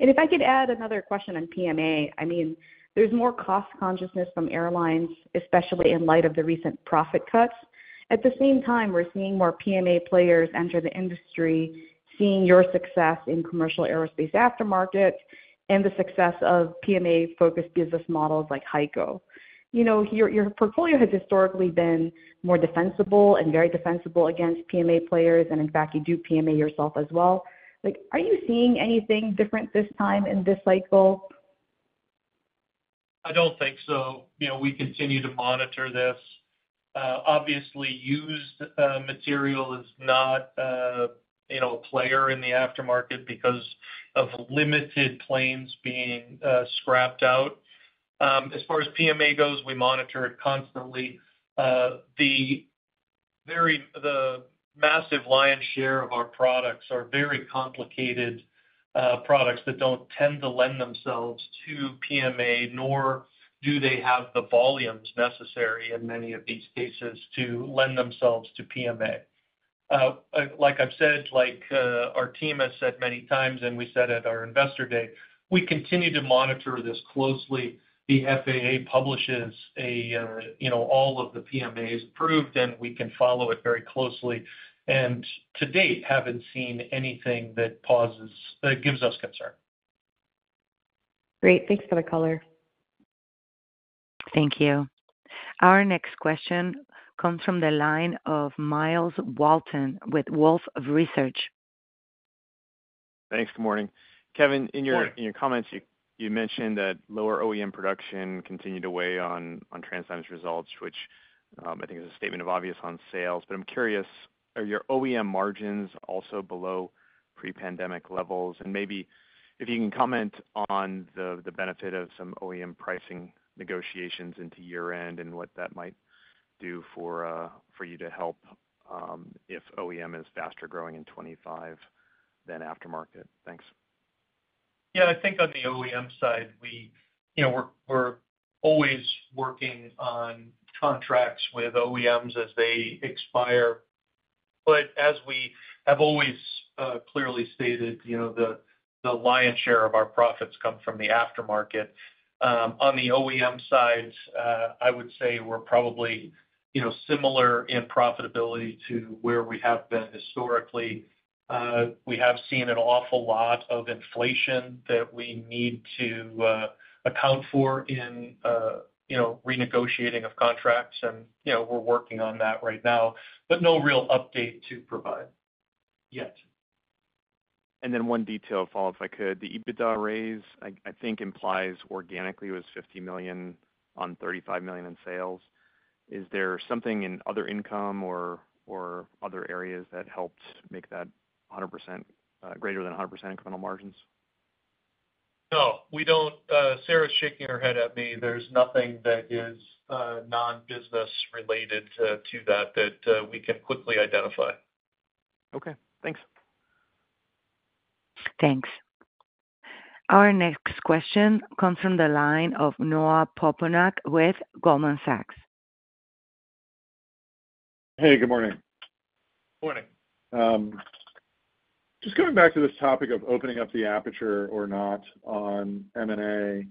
If I could add another question on PMA. I mean, there's more cost consciousness from airlines, especially in light of the recent profit cuts. At the same time, we're seeing more PMA players enter the industry, seeing your success in commercial aerospace aftermarket and the success of PMA-focused business models like HEICO. You know, your portfolio has historically been more defensible and very defensible against PMA players, and in fact, you do PMA yourself as well. Like, are you seeing anything different this time in this cycle? I don't think so. You know, we continue to monitor this. Obviously, used material is not, you know, a player in the aftermarket because of limited planes being scrapped out. As far as PMA goes, we monitor it constantly. The massive lion's share of our products are very complicated products that don't tend to lend themselves to PMA, nor do they have the volumes necessary in many of these cases to lend themselves to PMA. Like I've said, like, our team has said many times, and we said at our Investor Day, we continue to monitor this closely. The FAA publishes a, you know, all of the PMAs approved, and we can follow it very closely, and to date, haven't seen anything that poses, gives us concern. Great. Thanks for the color. Thank you. Our next question comes from the line of Myles Walton with Wolfe Research. Thanks. Good morning. Kevin- Good morning. In your comments, you mentioned that lower OEM production continued to weigh on TransDigm's results, which I think is a statement of obvious on sales. But I'm curious, are your OEM margins also below pre-pandemic levels, and maybe if you can comment on the benefit of some OEM pricing negotiations into year-end and what that might do for you to help if OEM is faster growing in 2025 than aftermarket. Thanks. Yeah, I think on the OEM side, we, you know, we're always working on contracts with OEMs as they expire. But as we have always clearly stated, you know, the lion's share of our profits come from the aftermarket. On the OEM side, I would say we're probably, you know, similar in profitability to where we have been historically. We have seen an awful lot of inflation that we need to account for in, you know, renegotiating of contracts, and, you know, we're working on that right now, but no real update to provide, yet. Then one detail follow-up, if I could. The EBITDA raise, I think, implies organically was $50 million on $35 million in sales. Is there something in other income or other areas that helped make that 100%, greater than 100% incremental margins? No, we don't. Sarah's shaking her head at me. There's nothing that is non-business related to that we can quickly identify. Okay, thanks. Thanks. Our next question comes from the line of Noah Poponak with Goldman Sachs. Hey, good morning. Morning. Just coming back to this topic of opening up the aperture or not on M&A,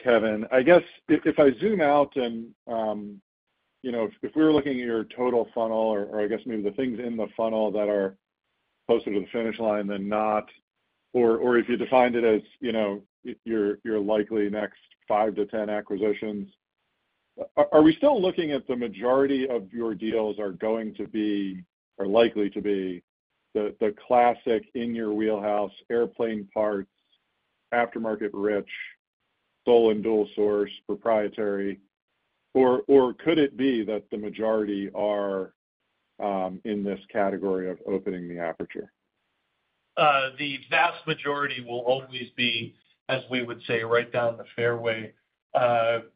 Kevin. I guess if I zoom out and, you know, if we were looking at your total funnel or, or I guess maybe the things in the funnel that are closer to the finish line than not, or, or if you defined it as, you know, your likely next five to 10 acquisitions, are we still looking at the majority of your deals are going to be, or likely to be, the classic in your wheelhouse, airplane parts, aftermarket rich, sole and dual source, proprietary? Or could it be that the majority are in this category of opening the aperture? The vast majority will always be, as we would say, right down the fairway,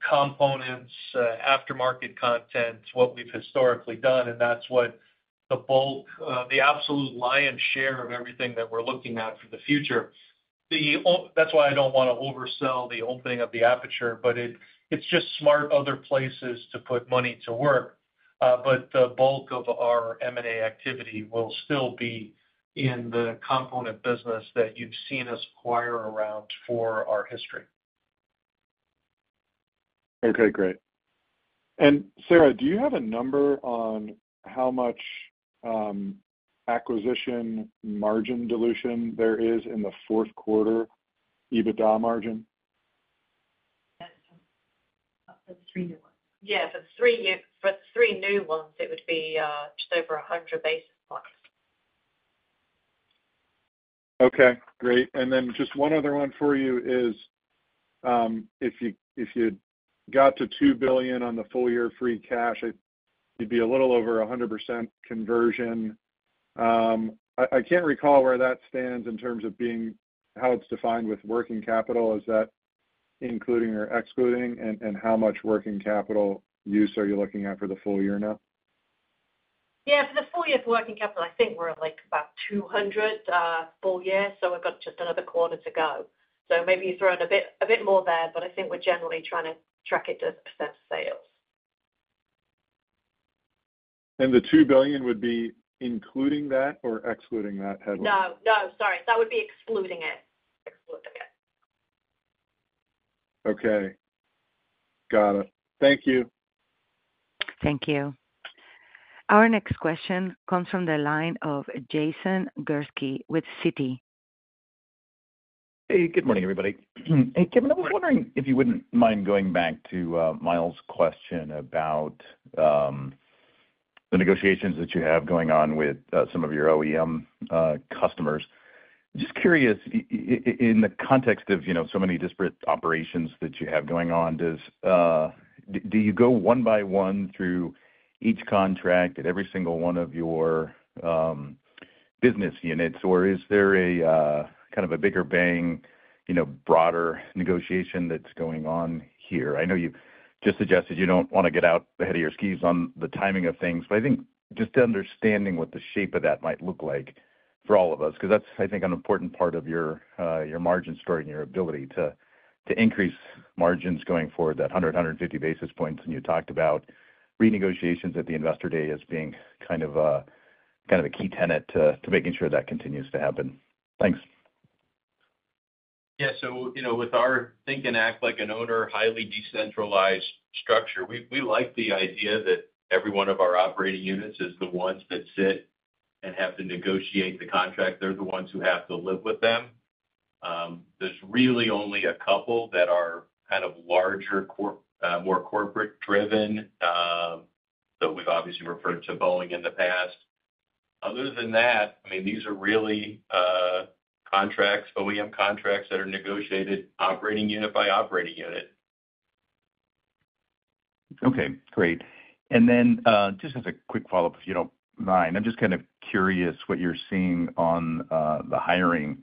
components, aftermarket content, what we've historically done, and that's what the bulk, the absolute lion's share of everything that we're looking at for the future. That's why I don't wanna oversell the opening of the aperture, but it, it's just smart other places to put money to work. But the bulk of our M&A activity will still be in the component business that you've seen us acquire around for our history. Okay, great. And Sarah, do you have a number on how much acquisition margin dilution there is in the fourth quarter EBITDA margin? That's the three new ones. Yeah, for the three new ones, it would be just over 100 basis points. Okay, great. And then just one other one for you is, if you got to $2 billion on the full year free cash, it'd be a little over 100% conversion. I can't recall where that stands in terms of being... how it's defined with working capital. Is that including or excluding? And how much working capital use are you looking at for the full year now? Yeah, for the full year of working capital, I think we're at, like, about 200 full year, so we've got just another quarter to go. So maybe you throw in a bit, a bit more there, but I think we're generally trying to track it to percent sales. The $2 billion would be including that or excluding that headline? No, no, sorry. That would be excluding it. Excluding it. Okay. Got it. Thank you. Thank you. Our next question comes from the line of Jason Gursky with Citi. Hey, good morning, everybody. Hey, Kevin, I was wondering if you wouldn't mind going back to Myles's question about the negotiations that you have going on with some of your OEM customers. Just curious, in the context of, you know, so many disparate operations that you have going on, do you go one by one through each contract at every single one of your business units, or is there a kind of a bigger bang, you know, broader negotiation that's going on here? I know you've just suggested you don't wanna get out ahead of your skis on the timing of things, but I think just understanding what the shape of that might look like for all of us, because that's, I think, an important part of your, your margin story and your ability to, to increase margins going forward, that 100, 150 basis points. And you talked about renegotiations at the Investor Day as being kind of a, kind of a key tenet to, to making sure that continues to happen. Thanks. Yeah, so, you know, with our think and act like an owner, highly decentralized structure, we, we like the idea that every one of our operating units is the ones that sit and have to negotiate the contract. They're the ones who have to live with them. There's really only a couple that are kind of larger, more corporate driven, but we've obviously referred to Boeing in the past. Other than that, I mean, these are really contracts, OEM contracts that are negotiated operating unit by operating unit.... Okay, great. And then, just as a quick follow-up, if you don't mind, I'm just kind of curious what you're seeing on the hiring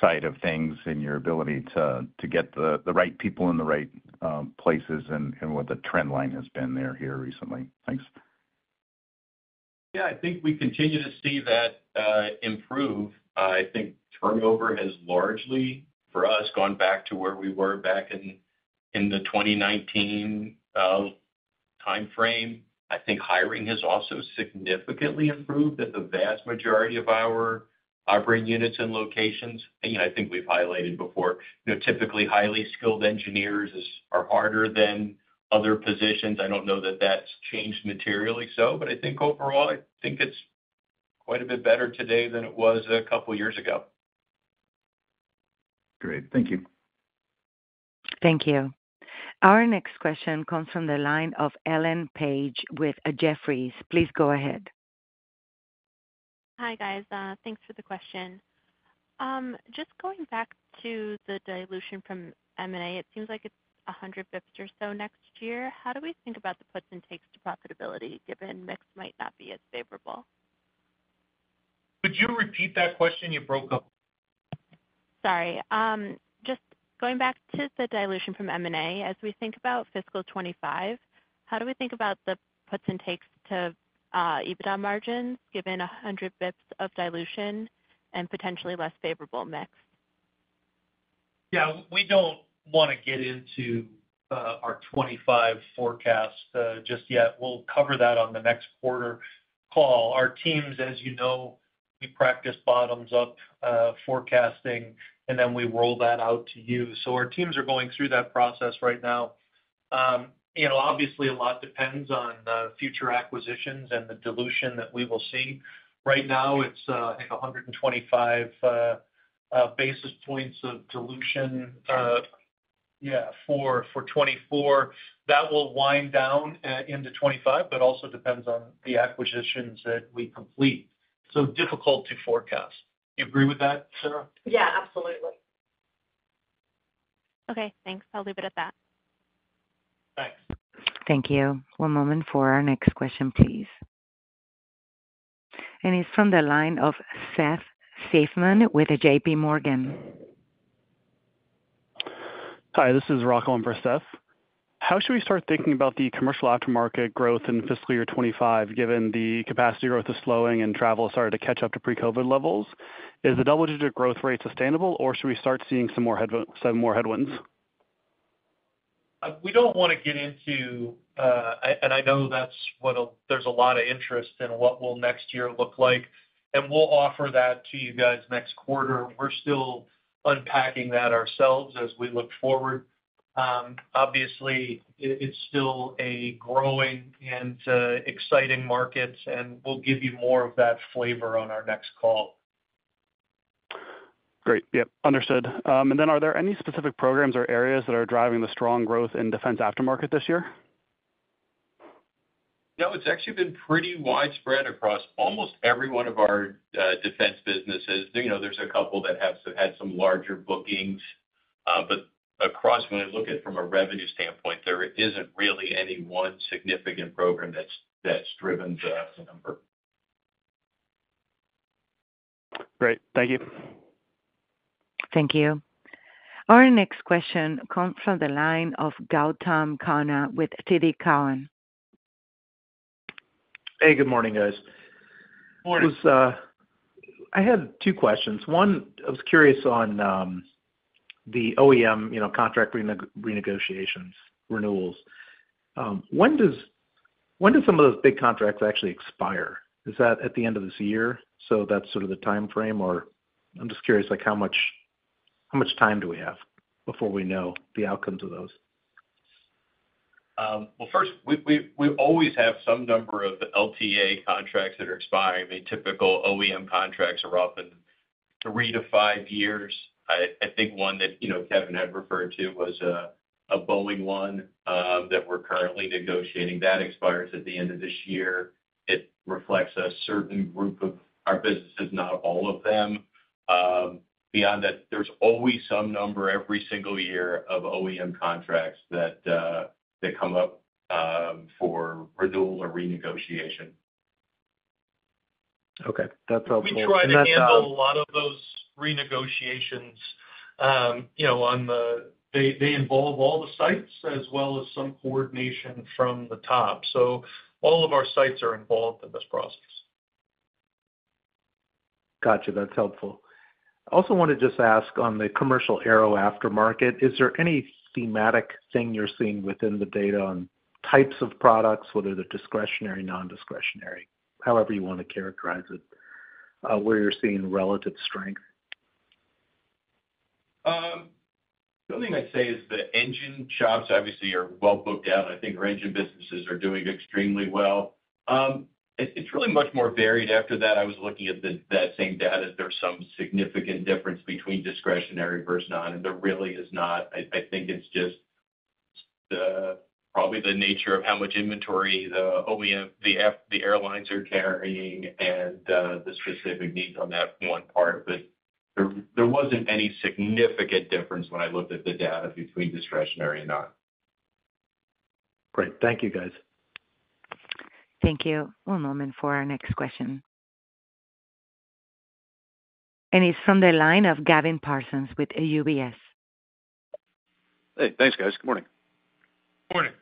side of things and your ability to get the right people in the right places and what the trend line has been there here recently. Thanks. Yeah, I think we continue to see that improve. I think turnover has largely, for us, gone back to where we were back in the 2019 timeframe. I think hiring has also significantly improved at the vast majority of our operating units and locations. And, you know, I think we've highlighted before, you know, typically, highly skilled engineers are harder than other positions. I don't know that that's changed materially so, but I think overall, I think it's quite a bit better today than it was a couple of years ago. Great. Thank you. Thank you. Our next question comes from the line of Ellen Page with Jefferies. Please go ahead. Hi, guys, thanks for the question. Just going back to the dilution from M&A, it seems like it's 100 basis points or so next year. How do we think about the puts and takes to profitability, given mix might not be as favorable? Could you repeat that question? You broke up. Sorry. Just going back to the dilution from M&A, as we think about fiscal 2025, how do we think about the puts and takes to EBITDA margins, given 100 basis points of dilution and potentially less favorable mix? Yeah, we don't want to get into our 2025 forecast just yet. We'll cover that on the next quarter call. Our teams, as you know, we practice bottoms up forecasting, and then we roll that out to you. So our teams are going through that process right now. You know, obviously a lot depends on the future acquisitions and the dilution that we will see. Right now, it's I think 125 basis points of dilution, yeah, for 2024. That will wind down into 2025, but also depends on the acquisitions that we complete. So difficult to forecast. You agree with that, Sarah? Yeah, absolutely. Okay, thanks. I'll leave it at that. Thanks. Thank you. One moment for our next question, please. It's from the line of Seth Seifman with JP Morgan. Hi, this is Rocco in for Seth. How should we start thinking about the commercial aftermarket growth in fiscal year 2025, given the capacity growth is slowing and travel started to catch up to pre-COVID levels? Is the double-digit growth rate sustainable, or should we start seeing some more headwinds? We don't want to get into, and I know that's what. There's a lot of interest in what next year will look like, and we'll offer that to you guys next quarter. We're still unpacking that ourselves as we look forward. Obviously, it's still a growing and exciting markets, and we'll give you more of that flavor on our next call. Great. Yep, understood. And then are there any specific programs or areas that are driving the strong growth in defense aftermarket this year? No, it's actually been pretty widespread across almost every one of our defense businesses. You know, there's a couple that have had some larger bookings, but across, when I look at from a revenue standpoint, there isn't really any one significant program that's, that's driven the number. Great. Thank you. Thank you. Our next question comes from the line of Gautam Khanna with TD Cowen. Hey, good morning, guys. Morning. Just, I had two questions. One, I was curious on the OEM, you know, contract renegotiations, renewals. When do some of those big contracts actually expire? Is that at the end of this year? So that's sort of the timeframe, or I'm just curious, like, how much time do we have before we know the outcomes of those? Well, first, we always have some number of LTA contracts that are expiring. I mean, typical OEM contracts are often three to five years. I think one that, you know, Kevin had referred to was a Boeing one that we're currently negotiating. That expires at the end of this year. It reflects a certain group of our businesses, not all of them. Beyond that, there's always some number, every single year, of OEM contracts that come up for renewal or renegotiation. Okay. That's helpful. We try to handle a lot of those renegotiations, you know, on the... They involve all the sites as well as some coordination from the top. So all of our sites are involved in this process. Gotcha. That's helpful. I also want to just ask on the commercial aero aftermarket, is there any thematic thing you're seeing within the data on types of products, whether they're discretionary, non-discretionary, however you want to characterize it, where you're seeing relative strength? The only thing I'd say is the engine shops obviously are well booked out. I think our engine businesses are doing extremely well. It's really much more varied after that. I was looking at that same data, if there's some significant difference between discretionary versus non, and there really is not. I think it's just the, probably the nature of how much inventory the OEM, the airlines are carrying and, the specific needs on that one part, but. There wasn't any significant difference when I looked at the data between discretionary and not. Great. Thank you, guys. Thank you. One moment for our next question. And it's from the line of Gavin Parsons with UBS. Hey, thanks, guys. Good morning. Morning.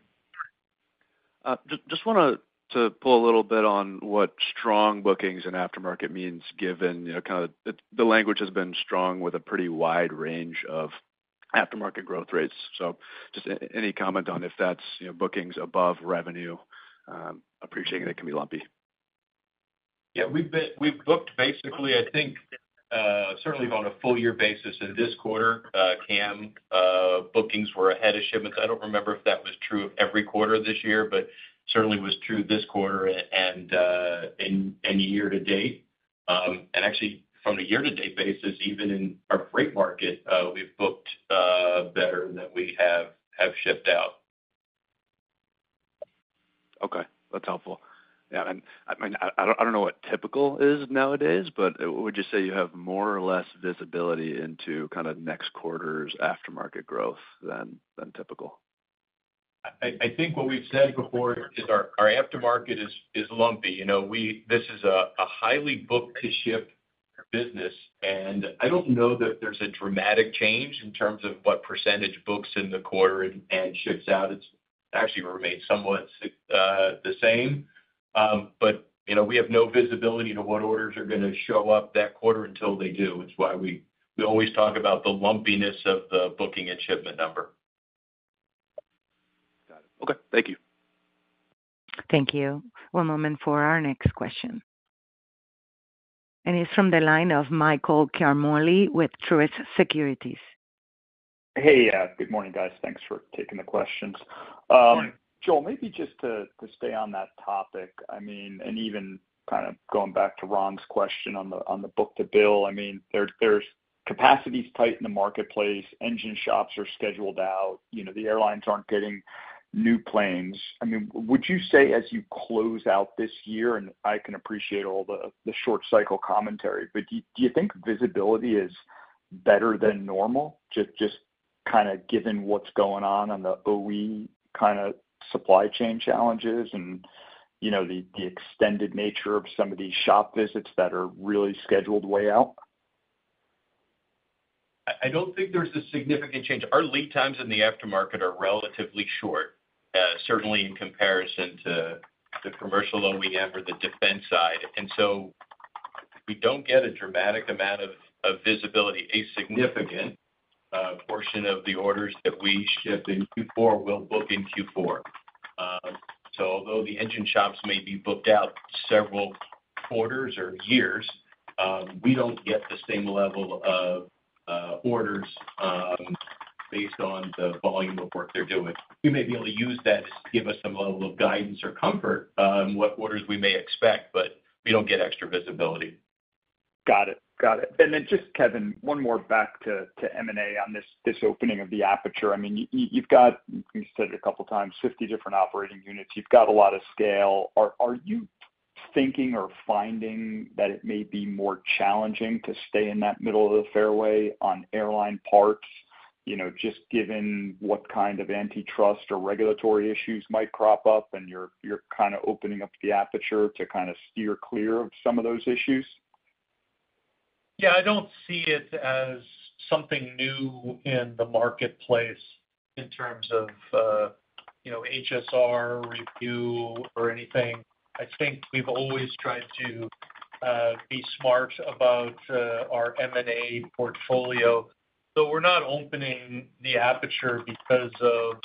Just want to pull a little bit on what strong bookings and aftermarket means, given, you know, kind of the language has been strong with a pretty wide range of aftermarket growth rates. So just any comment on if that's, you know, bookings above revenue, appreciating it can be lumpy? Yeah, we've booked basically, I think, certainly on a full year basis into this quarter, CAM bookings were ahead of shipments. I don't remember if that was true of every quarter this year, but certainly was true this quarter and in year to date. And actually from a year-to-date basis, even in our freight market, we've booked better than we have shipped out. Okay, that's helpful. Yeah, and I don't know what typical is nowadays, but would you say you have more or less visibility into kind of next quarter's aftermarket growth than typical? I think what we've said before is our aftermarket is lumpy. You know, we—this is a highly book-to-ship business, and I don't know that there's a dramatic change in terms of what percentage books in the quarter and ships out. It's actually remained somewhat the same. But, you know, we have no visibility to what orders are gonna show up that quarter until they do. It's why we always talk about the lumpiness of the booking and shipment number. Got it. Okay, thank you. Thank you. One moment for our next question. It's from the line of Michael Ciarmoli with Truist Securities. Hey, good morning, guys. Thanks for taking the questions. Good morning. Joel, maybe just to stay on that topic, I mean, and even kind of going back to Ron's question on the book-to-bill, I mean, there's capacities tight in the marketplace, engine shops are scheduled out, you know, the airlines aren't getting new planes. I mean, would you say as you close out this year, and I can appreciate all the short cycle commentary, but do you think visibility is better than normal, just kind of given what's going on in the OE kind of supply chain challenges and, you know, the extended nature of some of these shop visits that are really scheduled way out? I don't think there's a significant change. Our lead times in the aftermarket are relatively short, certainly in comparison to the commercial OEM or the defense side. And so we don't get a dramatic amount of visibility. A significant portion of the orders that we ship in Q4 will book in Q4. So although the engine shops may be booked out several quarters or years, we don't get the same level of orders based on the volume of work they're doing. We may be able to use that to give us some level of guidance or comfort on what orders we may expect, but we don't get extra visibility. Got it. Got it. And then just, Kevin, one more back to M&A on this opening of the aperture. I mean, you've got, you've said it a couple times, 50 different operating units. You've got a lot of scale. Are you thinking or finding that it may be more challenging to stay in that middle of the fairway on airline parts, you know, just given what kind of antitrust or regulatory issues might crop up, and you're kind of opening up the aperture to kind of steer clear of some of those issues? Yeah, I don't see it as something new in the marketplace in terms of, you know, HSR review or anything. I think we've always tried to be smart about our M&A portfolio. So we're not opening the aperture because of,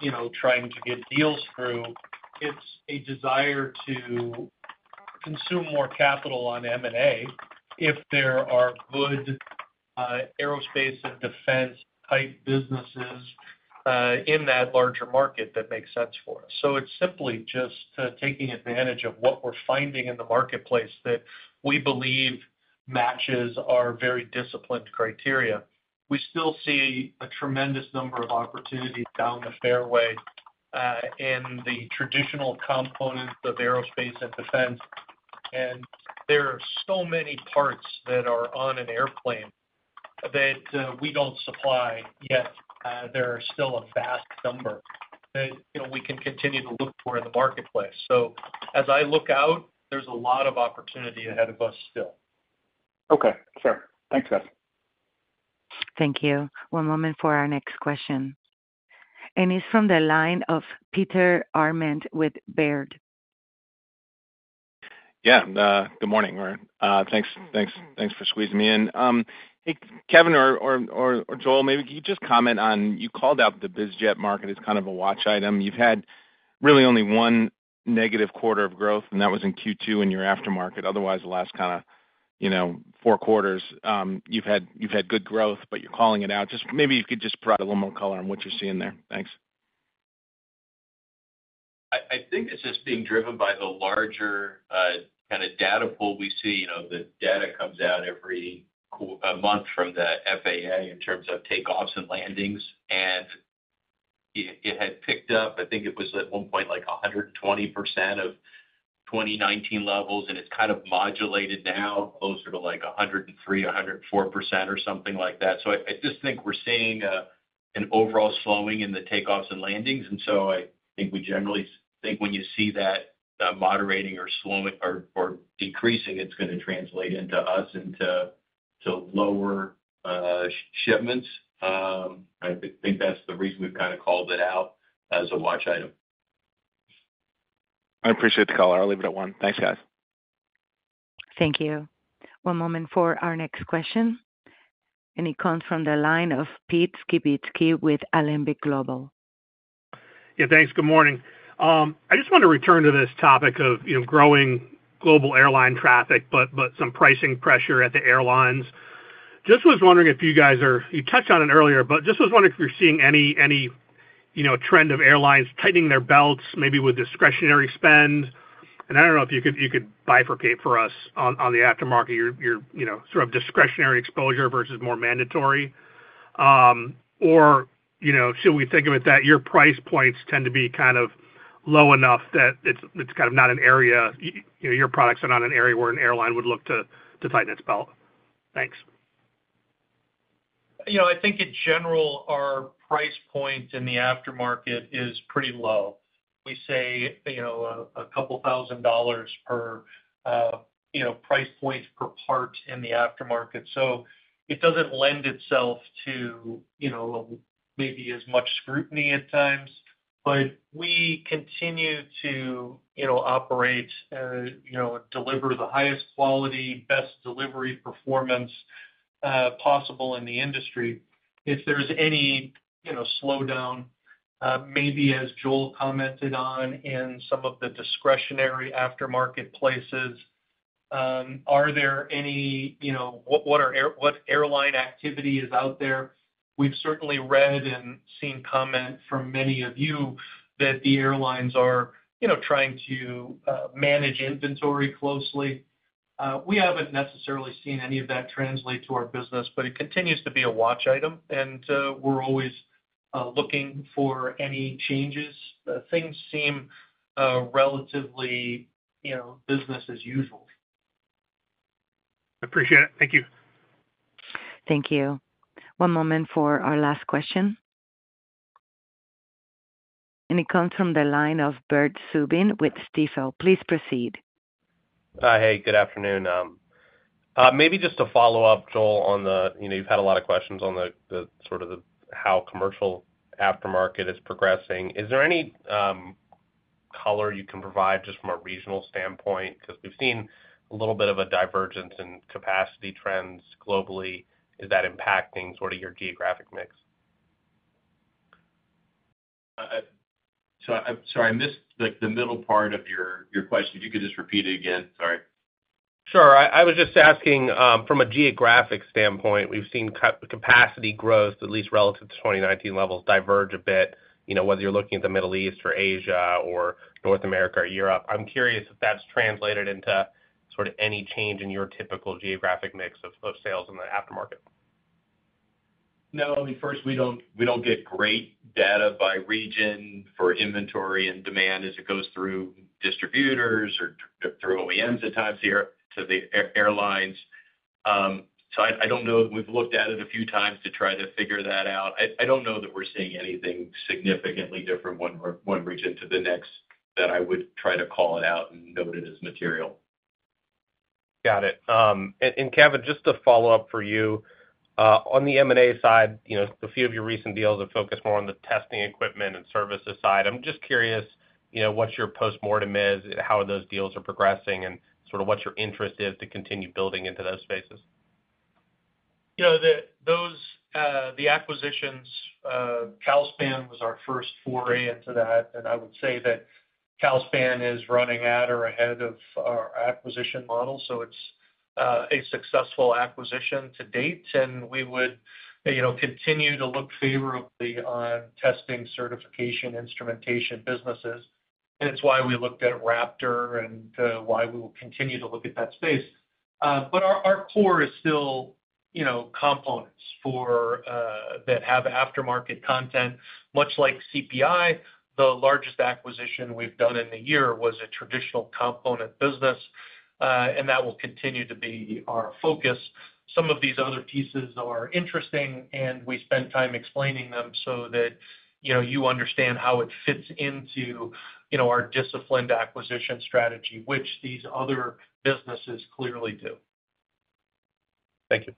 you know, trying to get deals through. It's a desire to consume more capital on M&A if there are good aerospace and defense type businesses in that larger market that make sense for us. So it's simply just taking advantage of what we're finding in the marketplace that we believe matches our very disciplined criteria. We still see a tremendous number of opportunities down the fairway in the traditional components of aerospace and defense, and there are so many parts that are on an airplane that we don't supply yet. There are still a vast number that, you know, we can continue to look for in the marketplace. As I look out, there's a lot of opportunity ahead of us still. Okay, sure. Thanks, guys. Thank you. One moment for our next question. It's from the line of Peter Arment with Baird. Yeah, good morning. Thanks, thanks, thanks for squeezing me in. Hey, Kevin or Joel, maybe can you just comment on, you called out the biz jet market as kind of a watch item. You've had really only one negative quarter of growth, and that was in Q2 in your aftermarket. Otherwise, the last kind of, you know, four quarters, you've had good growth, but you're calling it out. Just maybe you could just provide a little more color on what you're seeing there. Thanks. I think it's just being driven by the larger kind of data pool we see. You know, the data comes out every month from the FAA in terms of takeoffs and landings, and it had picked up. I think it was at one point, like 120% of 2019 levels, and it's kind of modulated now closer to, like, 103%-104% or something like that. So I just think we're seeing an overall slowing in the takeoffs and landings, and so I think we generally think when you see that moderating or slowing or decreasing, it's gonna translate into lower shipments. I think that's the reason we've kinda called it out as a watch item. I appreciate the call. I'll leave it at one. Thanks, guys. Thank you. One moment for our next question, and it comes from the line of Pete Skibitski with Alembic Global. Yeah, thanks. Good morning. I just want to return to this topic of, you know, growing global airline traffic, but some pricing pressure at the airlines. Just was wondering if you guys are. You touched on it earlier, but just was wondering if you're seeing any, you know, trend of airlines tightening their belts, maybe with discretionary spend. And I don't know if you could bifurcate for us on the aftermarket, your, you know, sort of discretionary exposure versus more mandatory. Or, you know, should we think of it that your price points tend to be kind of low enough that it's kind of not an area, you know, your products are not an area where an airline would look to tighten its belt? Thanks. You know, I think in general, our price point in the aftermarket is pretty low. We say, you know, a couple thousand dollars per, you know, price point per part in the aftermarket. So it doesn't lend itself to, you know, maybe as much scrutiny at times. But we continue to, you know, operate, you know, deliver the highest quality, best delivery performance, possible in the industry. If there's any, you know, slowdown, maybe as Joel commented on in some of the discretionary aftermarket places, are there any, you know, what airline activity is out there? We've certainly read and seen comment from many of you that the airlines are, you know, trying to, manage inventory closely. We haven't necessarily seen any of that translate to our business, but it continues to be a watch item, and we're always looking for any changes. Things seem relatively, you know, business as usual. Appreciate it. Thank you. Thank you. One moment for our last question. It comes from the line of Bert Subin with Stifel. Please proceed. Hey, good afternoon. Maybe just to follow up, Joel, on the, you know, you've had a lot of questions on the sort of how commercial aftermarket is progressing. Is there any color you can provide just from a regional standpoint? Because we've seen a little bit of a divergence in capacity trends globally. Is that impacting sort of your geographic mix? I'm sorry, I missed, like, the middle part of your question. If you could just repeat it again. Sorry. Sure. I was just asking, from a geographic standpoint, we've seen capacity growth, at least relative to 2019 levels, diverge a bit, you know, whether you're looking at the Middle East or Asia or North America or Europe. I'm curious if that's translated into sort of any change in your typical geographic mix of sales in the aftermarket? No, I mean, first, we don't, we don't get great data by region for inventory and demand as it goes through distributors or through OEMs at times here to the airlines. So I, I don't know. We've looked at it a few times to try to figure that out. I, I don't know that we're seeing anything significantly different one region to the next, that I would try to call it out and note it as material. Got it. And Kevin, just to follow up for you, on the M&A side, you know, a few of your recent deals have focused more on the testing equipment and services side. I'm just curious, you know, what your postmortem is, and how those deals are progressing, and sort of what your interest is to continue building into those spaces. You know, those acquisitions, Calspan was our first foray into that, and I would say that Calspan is running at or ahead of our acquisition model, so it's a successful acquisition to date, and we would, you know, continue to look favorably on testing, certification, instrumentation, businesses. And it's why we looked at Raptor and why we will continue to look at that space. But our core is still, you know, components for that have aftermarket content. Much like CPI, the largest acquisition we've done in a year was a traditional component business, and that will continue to be our focus. Some of these other pieces are interesting, and we spend time explaining them so that, you know, you understand how it fits into, you know, our disciplined acquisition strategy, which these other businesses clearly do. Thank you.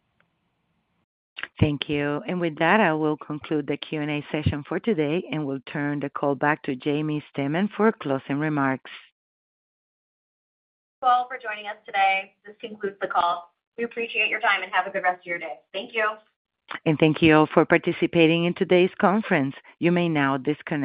Thank you. And with that, I will conclude the Q&A session for today and will turn the call back to Jaimie Stemen for closing remarks. Thank you all for joining us today. This concludes the call. We appreciate your time, and have a good rest of your day. Thank you. Thank you all for participating in today's conference. You may now disconnect.